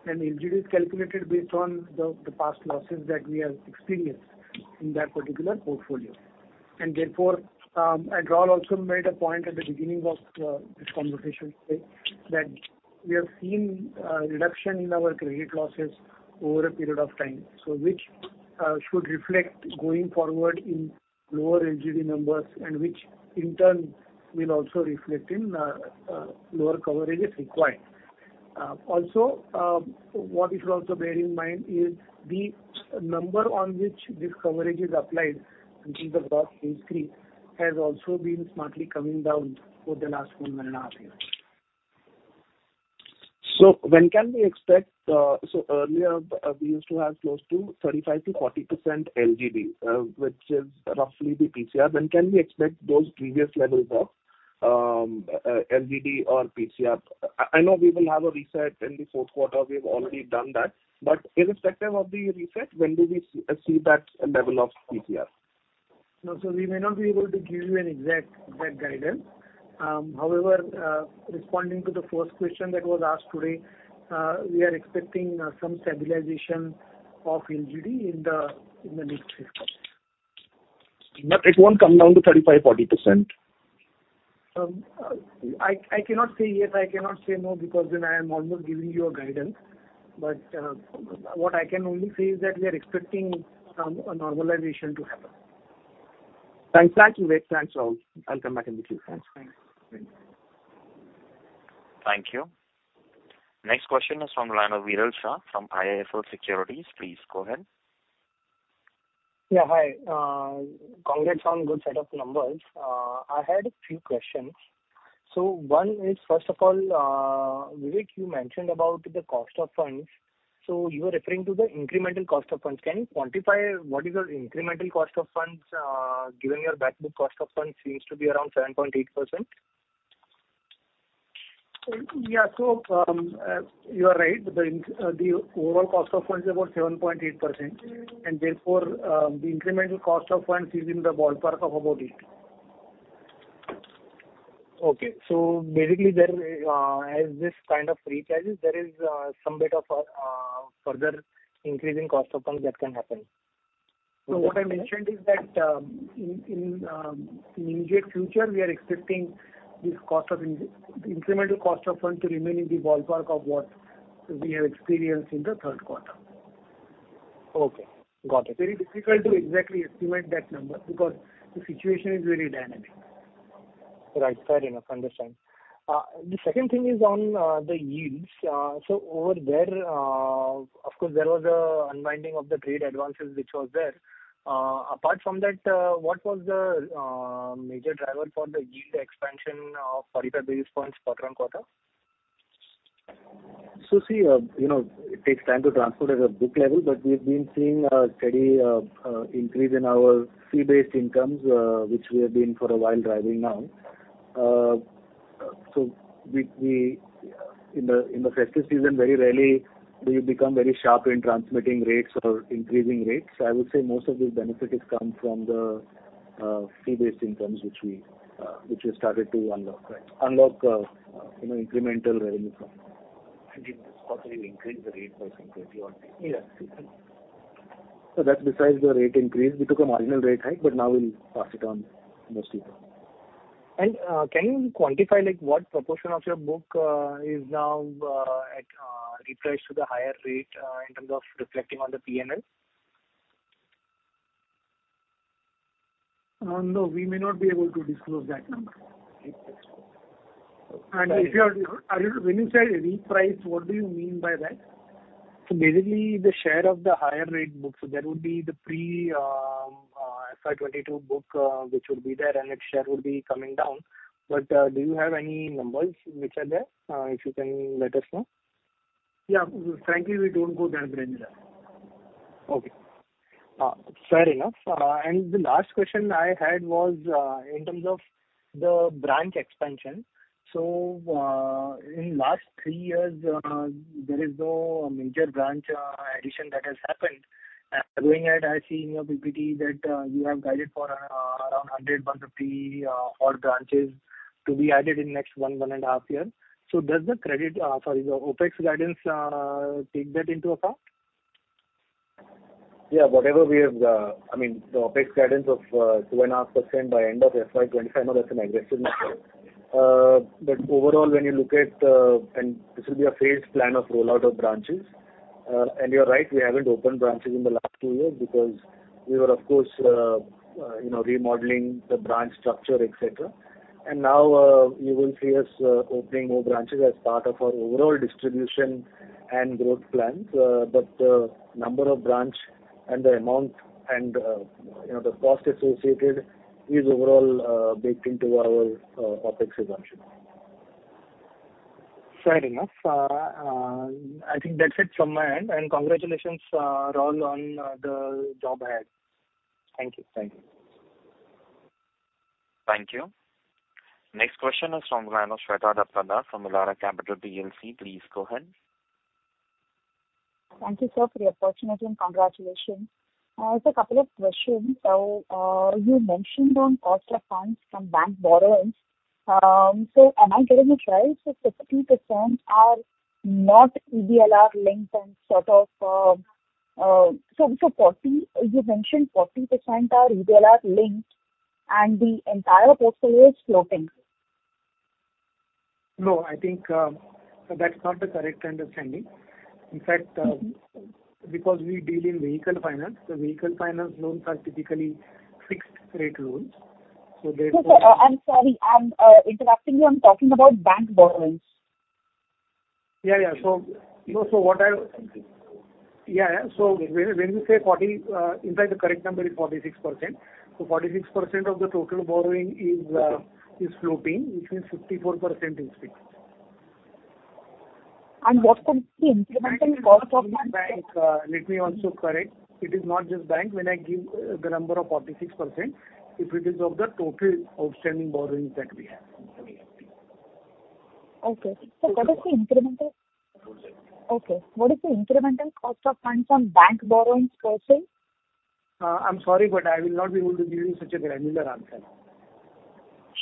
and LGD is calculated based on the past losses that we have experienced in that particular portfolio. And therefore, and Raul also made a point at the beginning of this conversation, right? That we have seen reduction in our credit losses over a period of time, so which should reflect going forward in lower LGD numbers, and which in turn will also reflect in lower coverages required. Also, what you should also bear in mind is the number on which this coverage is applied, which is the gross NPA, has also been sharply coming down for the last one and a half years. When can we expect? Earlier, we used to have close to 35%-40% LGD, which is roughly the PCR. When can we expect those previous levels of LGD or PCR? I know we will have a reset in the fourth quarter. We have already done that. But irrespective of the reset, when do we see that level of PCR? No. So we may not be able to give you an exact, exact guidance. However, responding to the first question that was asked today, we are expecting some stabilization of LGD in the next fiscal. But it won't come down to 35%-40%? I cannot say yes, I cannot say no, because then I am almost giving you a guidance. But, what I can only say is that we are expecting some, a normalization to happen. Thanks. Thank you, Vivek. Thanks, Raul. I'll come back in the queue. Thanks. Thanks. Thank you. Next question is from Viral Shah, from IIFL Securities. Please go ahead. Yeah, hi. Congrats on good set of numbers. I had a few questions. So one is, first of all, Vivek, you mentioned about the cost of funds. So you are referring to the incremental cost of funds. Can you quantify what is your incremental cost of funds, given your back book cost of funds seems to be around 7.8%? Yeah. You are right. The overall cost of funds is about 7.8%, and therefore, the incremental cost of funds is in the ballpark of about 8%. Okay. So basically, as this kind of recharges, there is some bit of further increase in cost of funds that can happen. What I mentioned is that, in immediate future, we are expecting this incremental cost of funds to remain in the ballpark of what we have experienced in the third quarter. Okay. Got it. Very difficult to exactly estimate that number, because the situation is very dynamic. Right. Fair enough. Understand. The second thing is on the yields. So over there, of course, there was an unwinding of the trade advances, which was there. Apart from that, what was the major driver for the yield expansion of 45 basis points quarter-on-quarter? So, see, you know, it takes time to transfer at a book level, but we've been seeing a steady increase in our fee-based incomes, which we have been for a while driving now. So we... In the festive season, very rarely do you become very sharp in transmitting rates or increasing rates. I would say most of this benefit has come from the fee-based incomes, which we started to unlock, right? Unlock, you know, incremental revenue from. It is possibly increase the rate percentage you are taking. Yeah.... So that's besides the rate increase, we took a marginal rate hike, but now we'll pass it on mostly. Can you quantify, like, what proportion of your book is now at repriced to the higher rate in terms of reflecting on the P&L? No, we may not be able to disclose that number. And when you say reprice, what do you mean by that? So basically, the share of the higher rate book. So that would be the pre FY 2022 book, which would be there, and its share would be coming down. But, do you have any numbers which are there, if you can let us know? Yeah. Frankly, we don't go that granular. Okay. Fair enough. And the last question I had was, in terms of the branch expansion. So, in last three years, there is no major branch addition that has happened. Going ahead, I see in your PPT that you have guided for around 100-150 whole branches to be added in next one, one and a half years. So does the credit, sorry, the OpEx guidance take that into account? Yeah, whatever we have, I mean, the OpEx guidance of 2.5% by end of FY 2025, I know that's an aggressive number. But overall, when you look at the... and this will be a phased plan of rollout of branches. And you're right, we haven't opened branches in the last two years because we were, of course, you know, remodeling the branch structure, et cetera. And now, you will see us opening more branches as part of our overall distribution and growth plans. But the number of branch and the amount and, you know, the cost associated is overall baked into our OpEx expansion. Fair enough. I think that's it from my end, and congratulations, Raul, on the job ahead. Thank you. Thank you. Thank you. Next question is from Shweta Daptardar from Elara Capital PLC. Please go ahead. Thank you, sir, for the opportunity, and congratulations. So a couple of questions. So, you mentioned on cost of funds from bank borrowings. So am I getting it right? So 50% are not EBLR linked and sort of. So, you mentioned 40% are EBLR linked and the entire portfolio is floating. No, I think, that's not the correct understanding. In fact, because we deal in vehicle finance, the vehicle finance loans are typically fixed rate loans. So there's- Sorry, I'm sorry, I'm interrupting you. I'm talking about bank borrowings. Yeah, yeah. So, you know, so what I... Yeah, yeah. So when you say 40, in fact, the correct number is 46%. So 46% of the total borrowing is floating, which means 54% is fixed. What's the incremental cost of that? Let me also correct. It is not just bank. When I give the number of 46%, it is of the total outstanding borrowings that we have. Okay. So what is the incremental? Okay. What is the incremental cost of funds on bank borrowings portion? I'm sorry, but I will not be able to give you such a granular answer.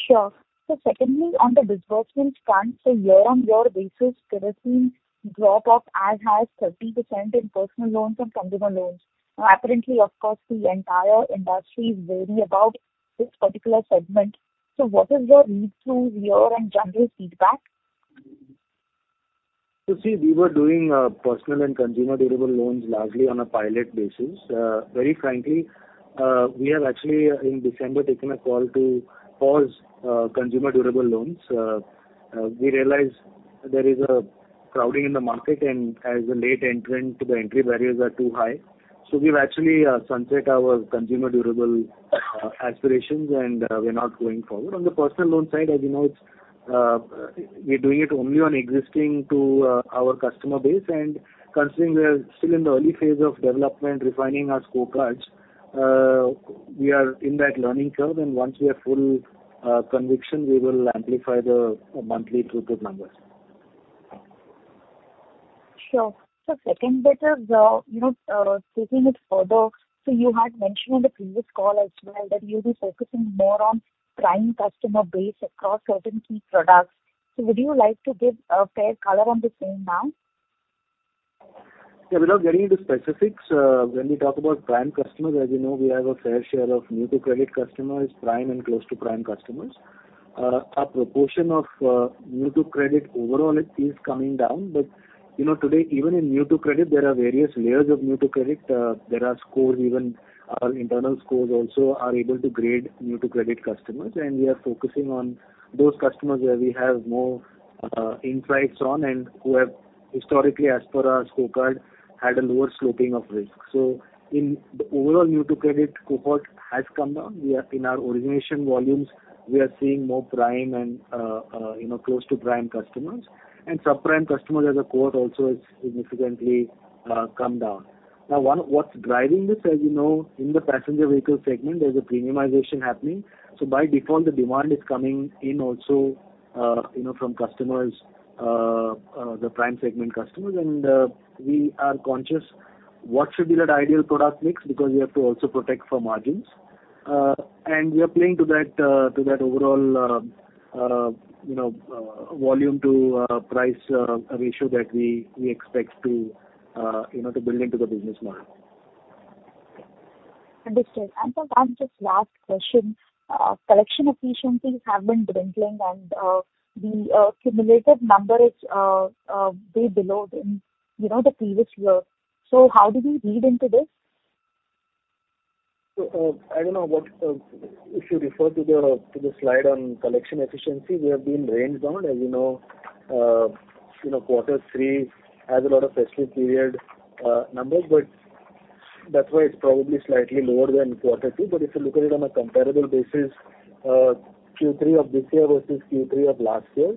Sure. So secondly, on the disbursement front, so year-on-year basis, there has been drop of as high as 30% in personal loans and consumer loans. Now, apparently, of course, the entire industry is wary about this particular segment. So what is your read through here and general feedback? So see, we were doing personal and consumer durable loans largely on a pilot basis. Very frankly, we have actually in December taken a call to pause consumer durable loans. We realized there is a crowding in the market, and as a late entrant, the entry barriers are too high. So we've actually sunset our consumer durable aspirations, and we're not going forward. On the personal loan side, as you know, it's we're doing it only on existing to our customer base. And considering we are still in the early phase of development, refining our scorecards, we are in that learning curve, and once we have full conviction, we will amplify the monthly throughput numbers. Sure. So second bit of, you know, taking it further. So you had mentioned on the previous call as well, that you'll be focusing more on prime customer base across certain key products. So would you like to give a fair color on the same now? Yeah, without getting into specifics, when we talk about prime customers, as you know, we have a fair share of new-to-credit customers, prime and close to prime customers. A proportion of new to credit overall is coming down. But you know, today, even in new to credit, there are various layers of new to credit. There are scores, even our internal scores also are able to grade new to credit customers, and we are focusing on those customers where we have more insights on and who have historically, as per our scorecard, had a lower sloping of risk. So in the overall, new to credit cohort has come down. We are in our origination volumes, we are seeing more prime and, you know, close to prime customers. And subprime customers as a cohort also has significantly come down. Now, one, what's driving this? As you know, in the passenger vehicle segment, there's a premiumization happening. So by default, the demand is coming in also, you know, from customers, the prime segment customers. And, we are conscious what should be that ideal product mix, because we have to also protect for margins.... and we are playing to that, to that overall, you know, volume to, price, ratio that we, we expect to, you know, to build into the business model. Understood. Just one last question. Collection efficiencies have been dwindling and the cumulative number is way below than, you know, the previous year. So how do we read into this? If you refer to the slide on collection efficiency, we have been range-bound. As you know, you know, quarter three has a lot of festive period numbers, but that's why it's probably slightly lower than quarter two. But if you look at it on a comparable basis, Q3 of this year versus Q3 of last year,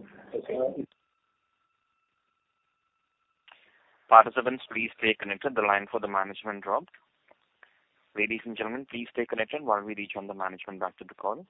Participants, please stay connected. The line for the management dropped. Ladies and gentlemen, please stay connected while we reach on the management back to the call.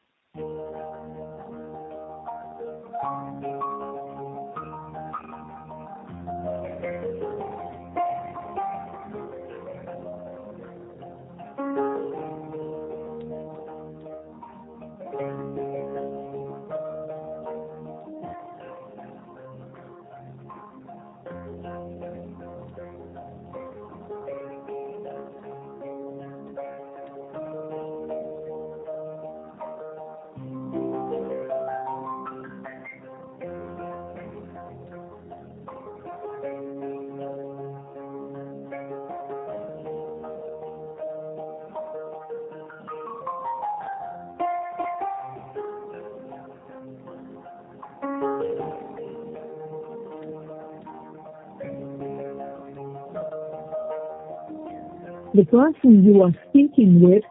Ladies and gentlemen,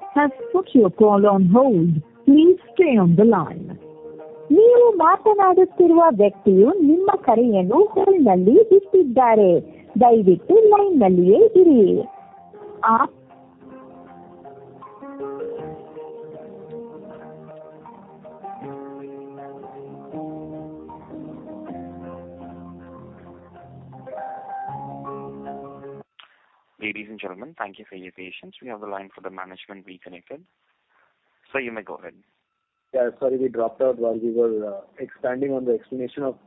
thank you for your patience. We have the line for the management reconnected. Sir, you may go ahead. Yeah, sorry, we dropped out while we were expanding on the explanation of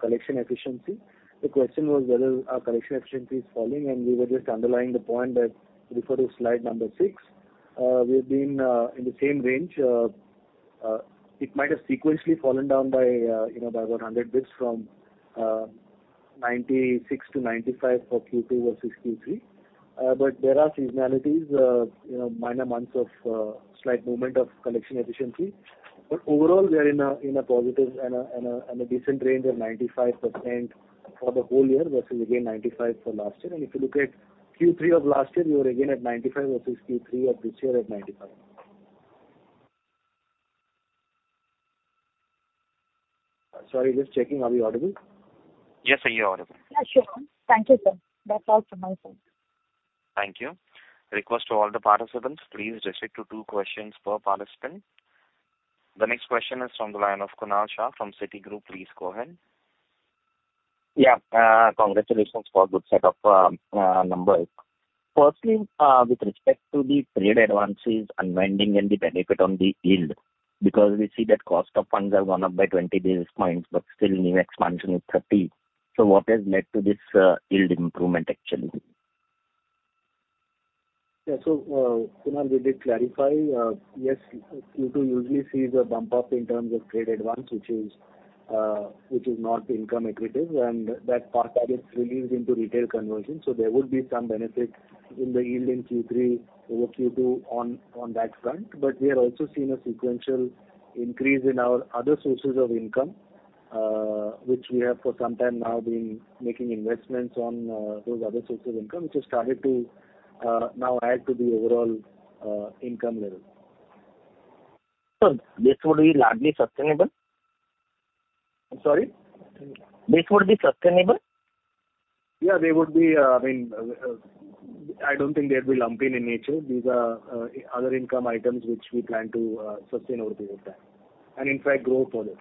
collection efficiency. The question was whether our collection efficiency is falling, and we were just underlying the point that refer to slide number six. We've been in the same range. It might have sequentially fallen down by, you know, by about 100 basis points from 96% to 95% for Q2 versus Q3. But there are seasonalities, you know, minor months of slight movement of collection efficiency. But overall, we are in a positive and a decent range of 95% for the whole year versus, again, 95% for last year. And if you look at Q3 of last year, we were again at 95% versus Q3 of this year at 95%. Sorry, just checking. Are we audible? Yes, sir, you're audible. Yeah, sure. Thank you, sir. That's all from my side. Thank you. Request to all the participants, please restrict to two questions per participant. The next question is from the line of Kunal Shah from Citigroup. Please go ahead. Yeah. Congratulations for a good set of numbers. Firstly, with respect to the trade advances, unwinding and the benefit on the yield, because we see that cost of funds have gone up by 20 basis points, but still new expansion is 30. So what has led to this yield improvement, actually? Yeah. So, Kunal, we did clarify, yes, Q2 usually sees a bump up in terms of trade advance, which is, which is not income accretive, and that part that is released into retail conversion. So there would be some benefit in the yield in Q3 over Q2 on that front. But we have also seen a sequential increase in our other sources of income, which we have for some time now been making investments on, those other sources of income, which has started to now add to the overall income level. This would be largely sustainable? I'm sorry? This would be sustainable? Yeah, they would be, I mean, I don't think they'd be lumpy in nature. These are other income items which we plan to sustain over time, and in fact, grow further.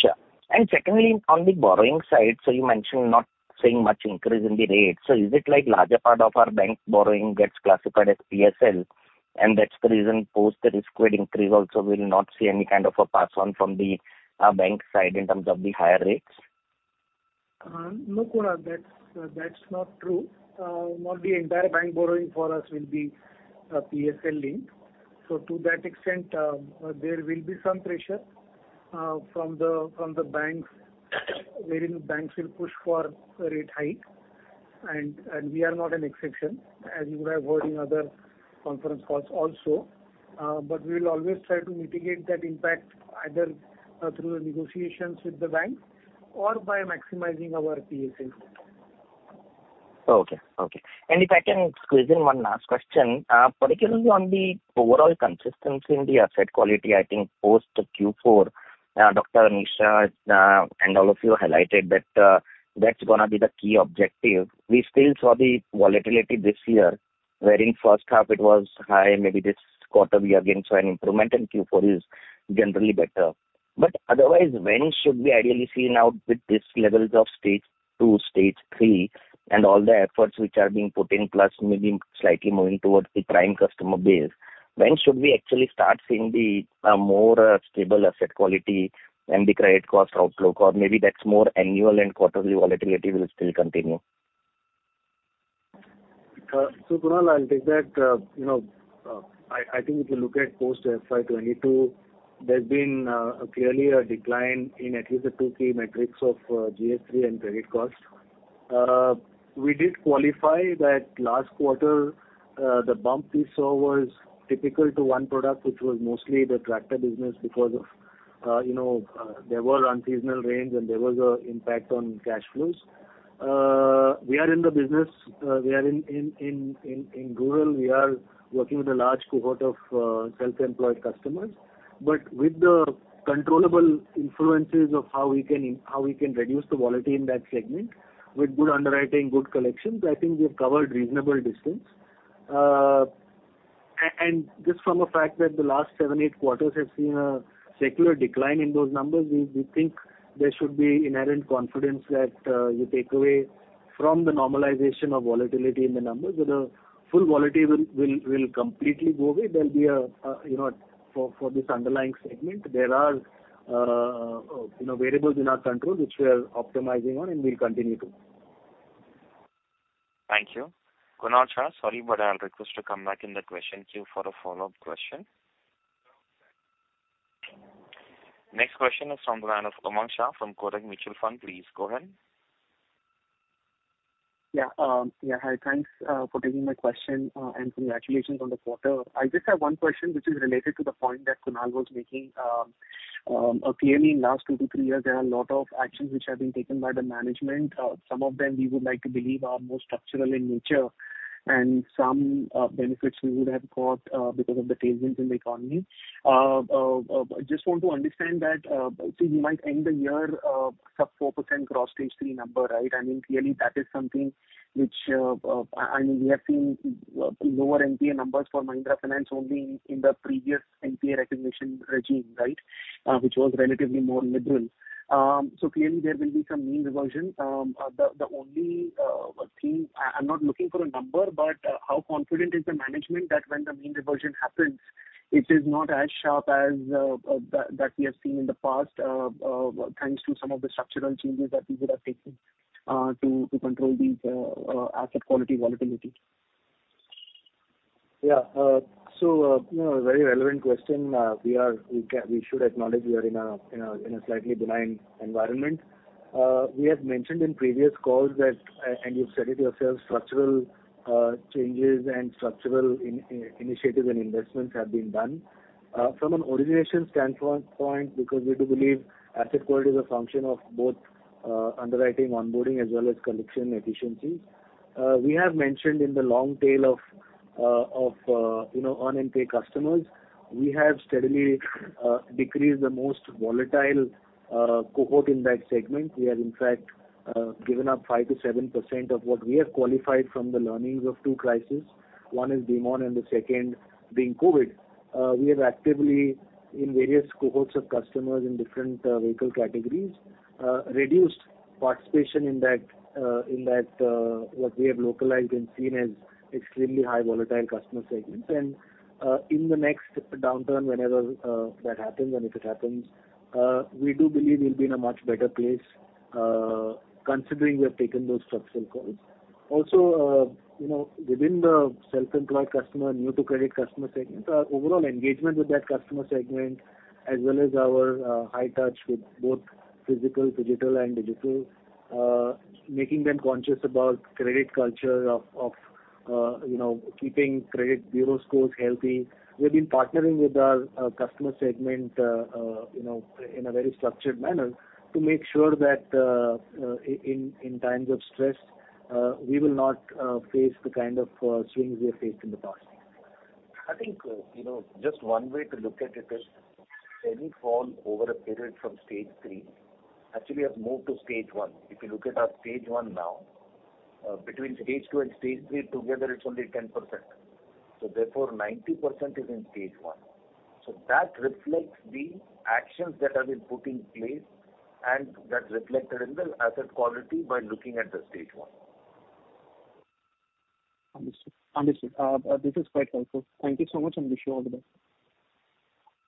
Sure. And secondly, on the borrowing side, so you mentioned not seeing much increase in the rates. So is it like larger part of our bank borrowing gets classified as PSL, and that's the reason post the risk-weighted increase also, we'll not see any kind of a pass on from the bank side in terms of the higher rates? No, Kunal, that's, that's not true. Not the entire bank borrowing for us will be PSL linked. So to that extent, there will be some pressure from the banks, wherein the banks will push for a rate hike, and we are not an exception, as you would have heard in other conference calls also. But we will always try to mitigate that impact, either through the negotiations with the bank or by maximizing our PSL. Okay. Okay. And if I can squeeze in one last question, particularly on the overall consistency in the asset quality, I think post Q4, Dr. Anish, and all of you highlighted that, that's gonna be the key objective. We still saw the volatility this year, wherein first half it was high, maybe this quarter we again saw an improvement, and Q4 is generally better. But otherwise, when should we ideally see now with this levels of Stage 2, Stage 3, and all the efforts which are being put in, plus maybe slightly moving towards the prime customer base, when should we actually start seeing the, more, stable asset quality and the credit cost outlook? Or maybe that's more annual and quarterly volatility will still continue. So Kunal, I'll take that. You know, I think if you look at post FY 2022, there's been clearly a decline in at least the two key metrics of GS3 and credit cost. We did qualify that last quarter, the bump we saw was typical to one product, which was mostly the tractor business, because of you know, there were unseasonal rains, and there was an impact on cash flows. We are in the business, we are in rural, we are working with a large cohort of self-employed customers, but with the controllable influences of how we can reduce the volatility in that segment, with good underwriting, good collections, I think we've covered reasonable distance. And just from the fact that the last seven, eight quarters have seen a secular decline in those numbers, we think there should be inherent confidence that you take away from the normalization of volatility in the numbers. You know, full volatility will completely go away. There'll be, you know, for this underlying segment, there are variables in our control, which we are optimizing on, and we'll continue to. Thank you. Kunal Shah, sorry, but I'll request you to come back in the question queue for a follow-up question. Next question is from the line of Umang Shah from Kotak Mutual Fund. Please go ahead. Yeah, yeah, hi, thanks for taking my question, and congratulations on the quarter. I just have one question, which is related to the point that Kunal was making. Clearly, in last two to three years, there are a lot of actions which have been taken by the management. Some of them we would like to believe are more structural in nature, and some benefits we would have got because of the tailwinds in the economy. I just want to understand that, so you might end the year sub 4% gross Stage 3 number, right? I mean, clearly that is something which, and we have seen lower NPA numbers for Mahindra Finance only in the previous NPA recognition regime, right? Which was relatively more liberal. So clearly there will be some mean reversion. The only thing... I'm not looking for a number, but how confident is the management that when the mean reversion happens, it is not as sharp as that we have seen in the past, thanks to some of the structural changes that you would have taken to control these asset quality volatility? Yeah, so, you know, a very relevant question. We should acknowledge we are in a slightly benign environment. We have mentioned in previous calls that, and you've said it yourself, structural changes and structural initiatives and investments have been done. From an origination standpoint, because we do believe asset quality is a function of both, underwriting, onboarding, as well as collection efficiency. We have mentioned in the long tail of, you know, on NPA customers, we have steadily decreased the most volatile cohort in that segment. We have, in fact, given up 5%-7% of what we have qualified from the learnings of two crises. One is Demon and the second being COVID. We have actively, in various cohorts of customers in different vehicle categories, reduced participation in that, in that, what we have localized and seen as extremely high volatile customer segments. And, you know, within the self-employed customer, new to credit customer segment, our overall engagement with that customer segment, as well as our high touch with both physical, digital and digital, making them conscious about credit culture of, of, you know, keeping credit bureau scores healthy. We've been partnering with our customer segment, you know, in a very structured manner to make sure that, in times of stress, we will not face the kind of swings we have faced in the past. I think, you know, just one way to look at it is, any fall over a period from Stage 3 actually has moved to Stage 1. If you look at our Stage 1 now, between Stage 2 and Stage 3 together, it's only 10%. So therefore, 90% is in Stage 1. So that reflects the actions that have been put in place, and that's reflected in the asset quality by looking at the Stage 1. Understood. Understood. This is quite helpful. Thank you so much, and wish you all the best.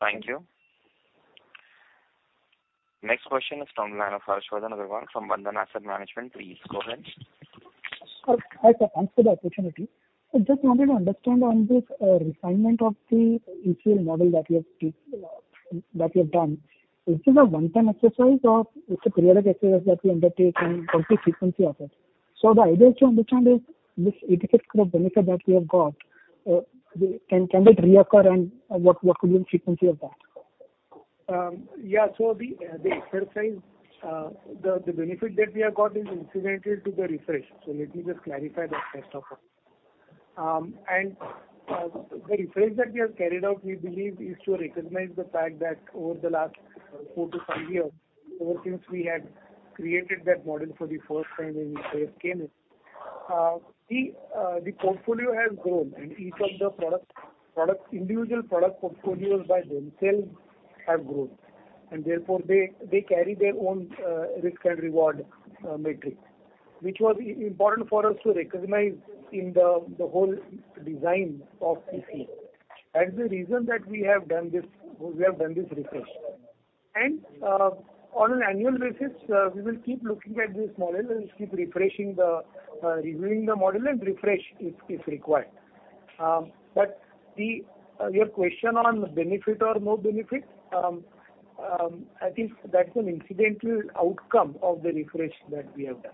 Thank you. Next question is from the line of Harshad Awalegaonkar from Bandhan Asset Management. Please, go ahead. Hi, sir, thanks for the opportunity. I just wanted to understand on this, refinement of the ECL model that you have, that you have done. Is this a one-time exercise or it's a periodic exercise that you undertake, and what's the frequency of it? So the idea to understand is this INR 86 crore benefit that you have got, can, can it reoccur, and what, what will be the frequency of that? Yeah, so the exercise, the benefit that we have got is incidental to the refresh. So let me just clarify that first off. The refresh that we have carried out, we believe, is to recognize the fact that over the last four to five years, ever since we had created that model for the first time when we first came in, the portfolio has grown and each of the product individual product portfolios by themselves have grown, and therefore they carry their own risk and reward metric, which was important for us to recognize in the whole design of CE. That's the reason that we have done this, we have done this refresh. On an annual basis, we will keep looking at this model and keep refreshing the, reviewing the model and refresh if required. But your question on benefit or no benefit, I think that's an incidental outcome of the refresh that we have done.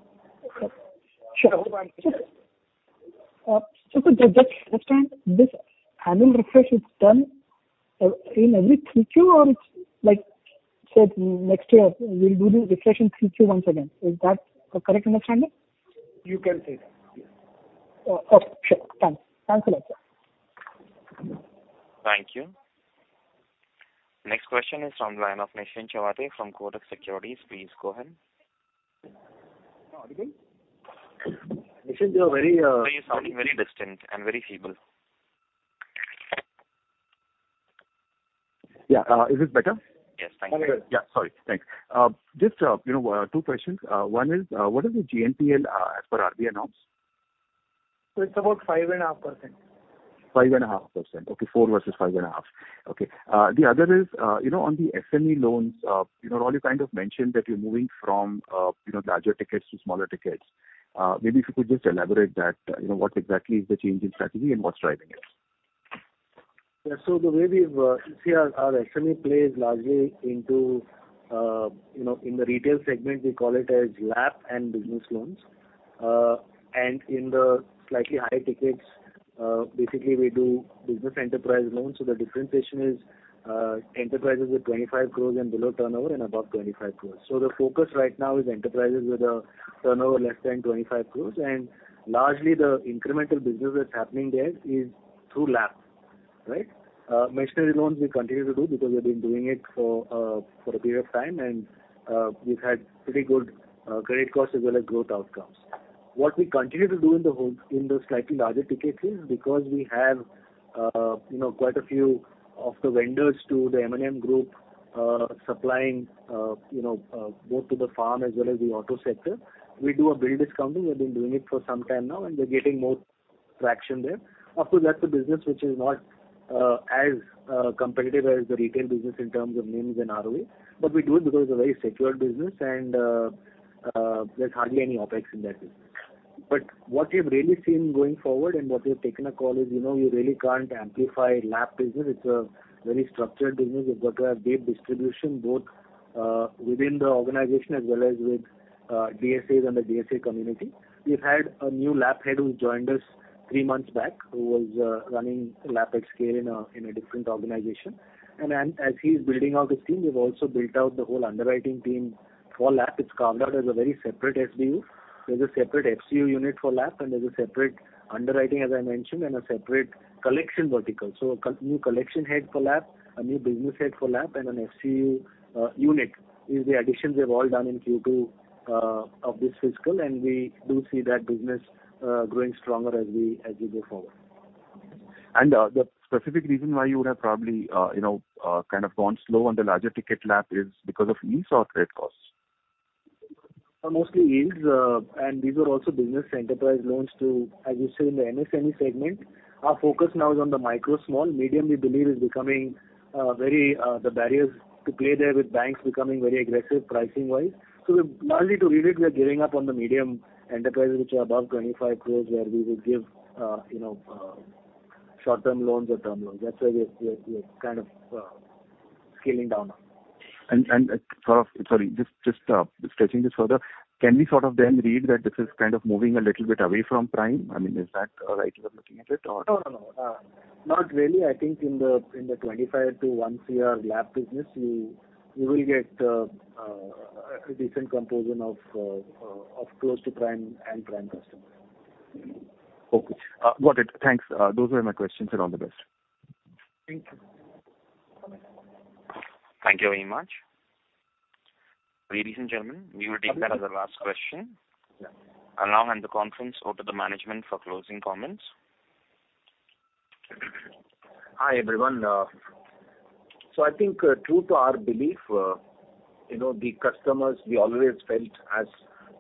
Sure. Just to understand, this annual refresh is done in every Q2, or it's like, say, next year, we'll do the refresh in Q2 once again. Is that a correct understanding? You can say that, yes. Okay, sure. Thanks. Thanks a lot, sir. Thank you. Next question is from the line of Nischint Chawathe from Kotak Securities. Please go ahead. Nischint, you are very, Sorry, you're sounding very distant and very feeble. Yeah, is this better? Yes, thank you. Yeah, sorry. Thanks. Just, you know, two questions. One is, what is the GNPA, as per RBI announced? It's about 5.5%. 5.5%. Okay, 4% versus 5.5%. Okay. The other is, you know, on the SME loans, you know, Raul kind of mentioned that you're moving from, you know, larger tickets to smaller tickets. Maybe if you could just elaborate that, you know, what exactly is the change in strategy and what's driving it? Yeah, so the way we've, you see our, our SME plays largely into, you know, in the retail segment, we call it as LAP and business loans. And in the slightly higher tickets, basically we do business enterprise loans. So the differentiation is, enterprises with 25 crore and below turnover and above 25 crore. So the focus right now is enterprises with a turnover less than 25 crore. And largely, the incremental business that's happening there is through LAP, right? Machinery loans we continue to do because we've been doing it for a period of time, and we've had pretty good credit costs as well as growth outcomes. What we continue to do in the whole, in the slightly larger ticket is because we have, you know, quite a few of the vendors to the M&M Group, supplying, you know, both to the farm as well as the auto sector. We do a bill discounting. We've been doing it for some time now, and we're getting more traction there. Of course, that's a business which is not, as, competitive as the retail business in terms of NIMs and ROE, but we do it because it's a very secured business and, there's hardly any OpEx in that business. But what we've really seen going forward and what we've taken a call is, you know, you really can't amplify LAP business. It's a very structured business. You've got to have deep distribution, both, within the organization as well as with, DSAs and the DSA community. We've had a new LAP head who joined us three months back, who was running LAP at scale in a different organization. And then as he's building out his team, we've also built out the whole underwriting team for LAP. It's carved out as a very separate SBU. There's a separate FCU unit for LAP, and there's a separate underwriting, as I mentioned, and a separate collection vertical. So a new collection head for LAP, a new business head for LAP, and an FCU unit is the additions we've all done in Q2 of this fiscal, and we do see that business growing stronger as we go forward. The specific reason why you would have probably, you know, kind of gone slow on the larger ticket LAP is because of yields or trade costs? Mostly yields, and these are also business enterprise loans to... As you say, in the MSME segment, our focus now is on the micro small. Medium, we believe, is becoming very, the barriers to play there with banks becoming very aggressive pricing-wise. So largely to write, we are giving up on the medium enterprises, which are above 25 crore, where we will give, you know, short-term loans or term loans. That's why we are, we are, we are kind of scaling down on. Sorry, just stretching this further, can we sort of then read that this is kind of moving a little bit away from prime? I mean, is that a right way of looking at it or? No, no, no. Not really. I think in the 25 to 1 CR LAP business, we will get a decent composition of close to prime and prime customers. Okay. Got it. Thanks. Those were my questions, and all the best. Thank you. Thank you very much. Ladies and gentlemen, we will take that as our last question. I'll now hand the conference over to the management for closing comments. Hi, everyone. So I think, true to our belief, you know, the customers, we always felt as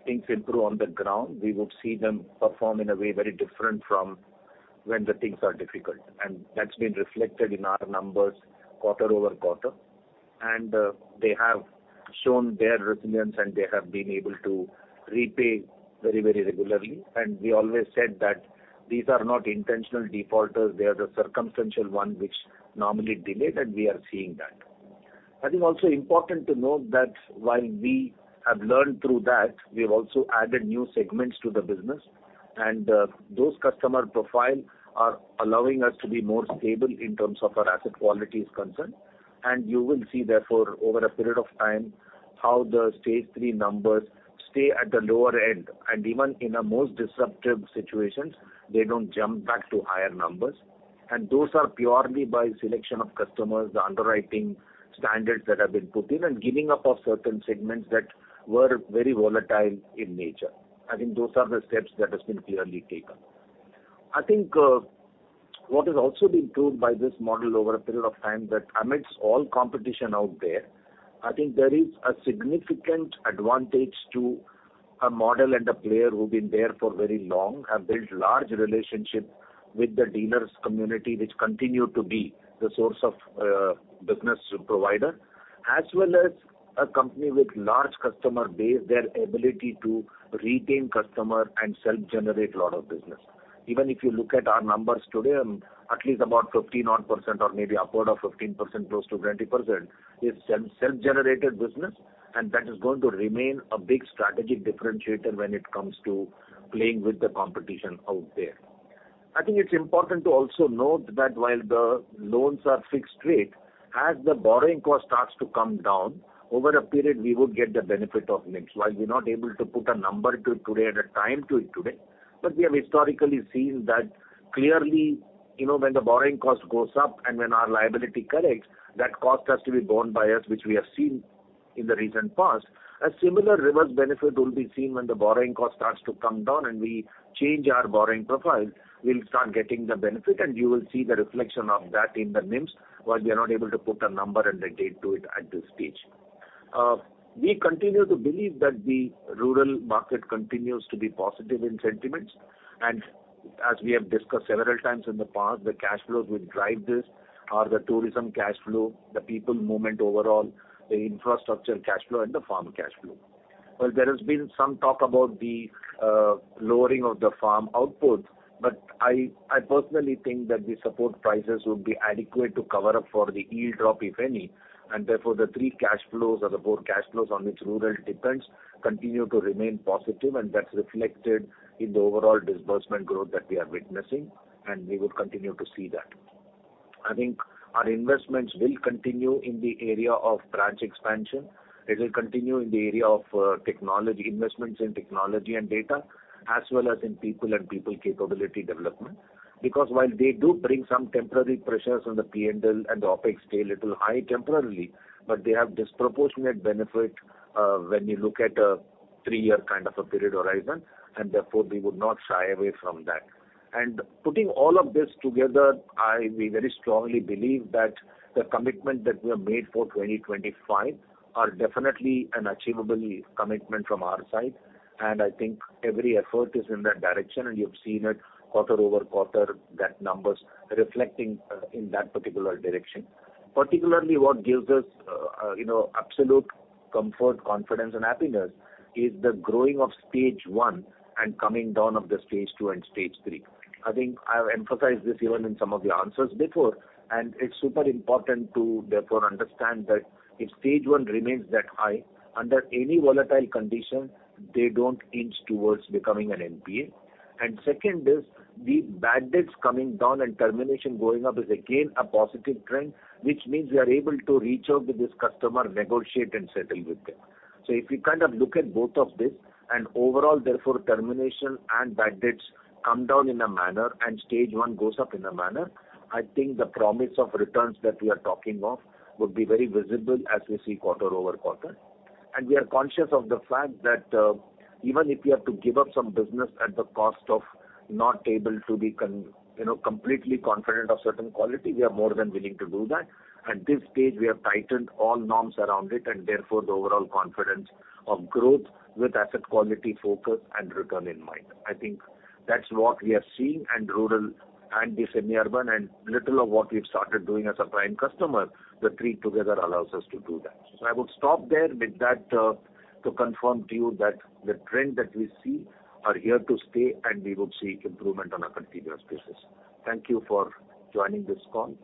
things improve on the ground, we would see them perform in a way very different from when the things are difficult. And, they have shown their resilience, and they have been able to repay very, very regularly. And we always said that these are not intentional defaulters, they are the circumstantial one, which normally delayed, and we are seeing that. I think also important to note that while we have learned through that, we've also added new segments to the business, and, those customer profile are allowing us to be more stable in terms of our asset quality is concerned. You will see, therefore, over a period of time, how the Stage 3 numbers stay at the lower end, and even in a most disruptive situations, they don't jump back to higher numbers. And those are purely by selection of customers, the underwriting standards that have been put in, and giving up of certain segments that were very volatile in nature. I think those are the steps that has been clearly taken. I think, what has also been proved by this model over a period of time, that amidst all competition out there, I think there is a significant advantage to a model and a player who've been there for very long, have built large relationships with the dealers community, which continue to be the source of, business provider. As well as a company with large customer base, their ability to retain customer and self-generate a lot of business. Even if you look at our numbers today, at least about 15 odd percent or maybe upward of 15%, close to 20%, is self-generated business, and that is going to remain a big strategic differentiator when it comes to playing with the competition out there. I think it's important to also note that while the loans are fixed rate, as the borrowing cost starts to come down, over a period, we would get the benefit of NIMs. While we're not able to put a number to it today or a time to it today, but we have historically seen that clearly, you know, when the borrowing cost goes up and when our liability corrects, that cost has to be borne by us, which we have seen in the recent past. A similar reverse benefit will be seen when the borrowing cost starts to come down and we change our borrowing profile, we'll start getting the benefit and you will see the reflection of that in the NIMs, but we are not able to put a number and a date to it at this stage. We continue to believe that the rural market continues to be positive in sentiments, and as we have discussed several times in the past, the cash flows which drive this are the tourism cash flow, the people movement overall, the infrastructure cash flow, and the farm cash flow. Well, there has been some talk about the lowering of the farm output, but I personally think that the support prices would be adequate to cover up for the yield drop, if any. And therefore, the three cash flows or the four cash flows on which rural depends continue to remain positive, and that's reflected in the overall disbursement growth that we are witnessing, and we will continue to see that. I think our investments will continue in the area of branch expansion. It will continue in the area of technology, investments in technology and data, as well as in people and people capability development. Because while they do bring some temporary pressures on the P&L and the OpEx stay little high temporarily, but they have disproportionate benefit, when you look at a three-year kind of a period horizon, and therefore, we would not shy away from that. And putting all of this together, we very strongly believe that the commitment that we have made for 2025 are definitely an achievable commitment from our side, and I think every effort is in that direction, and you've seen it quarter-over-quarter, that numbers reflecting, in that particular direction. Particularly, what gives us, you know, absolute comfort, confidence, and happiness, is the growing of Stage 1 and coming down of the Stage 2 and Stage 3. I think I have emphasized this even in some of the answers before, and it's super important to therefore understand that if Stage 1 remains that high, under any volatile condition, they don't inch towards becoming an NPA. And second is, the bad debts coming down and termination going up is again a positive trend, which means we are able to reach out to this customer, negotiate and settle with them. So if you kind of look at both of this, and overall, therefore, termination and bad debts come down in a manner and Stage 1 goes up in a manner, I think the promise of returns that we are talking of would be very visible as we see quarter-over-quarter. And we are conscious of the fact that, even if we have to give up some business at the cost of not able to be you know, completely confident of certain quality, we are more than willing to do that. At this stage, we have tightened all norms around it, and therefore, the overall confidence of growth with asset quality focus and return in mind. I think that's what we have seen, and rural and the semi-urban and little of what we've started doing as a prime customer, the three together allows us to do that. So I would stop there with that, to confirm to you that the trend that we see are here to stay, and we would see improvement on a continuous basis. Thank you for joining this call,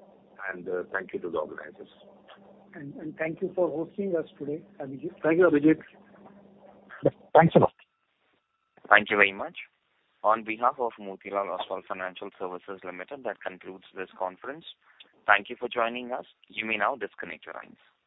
and thank you to the organizers. Thank you for hosting us today, Abhijit. Thank you, Abhijit. Thanks a lot. Thank you very much. On behalf of Motilal Oswal Financial Services Limited, that concludes this conference. Thank you for joining us. You may now disconnect your lines. Bye.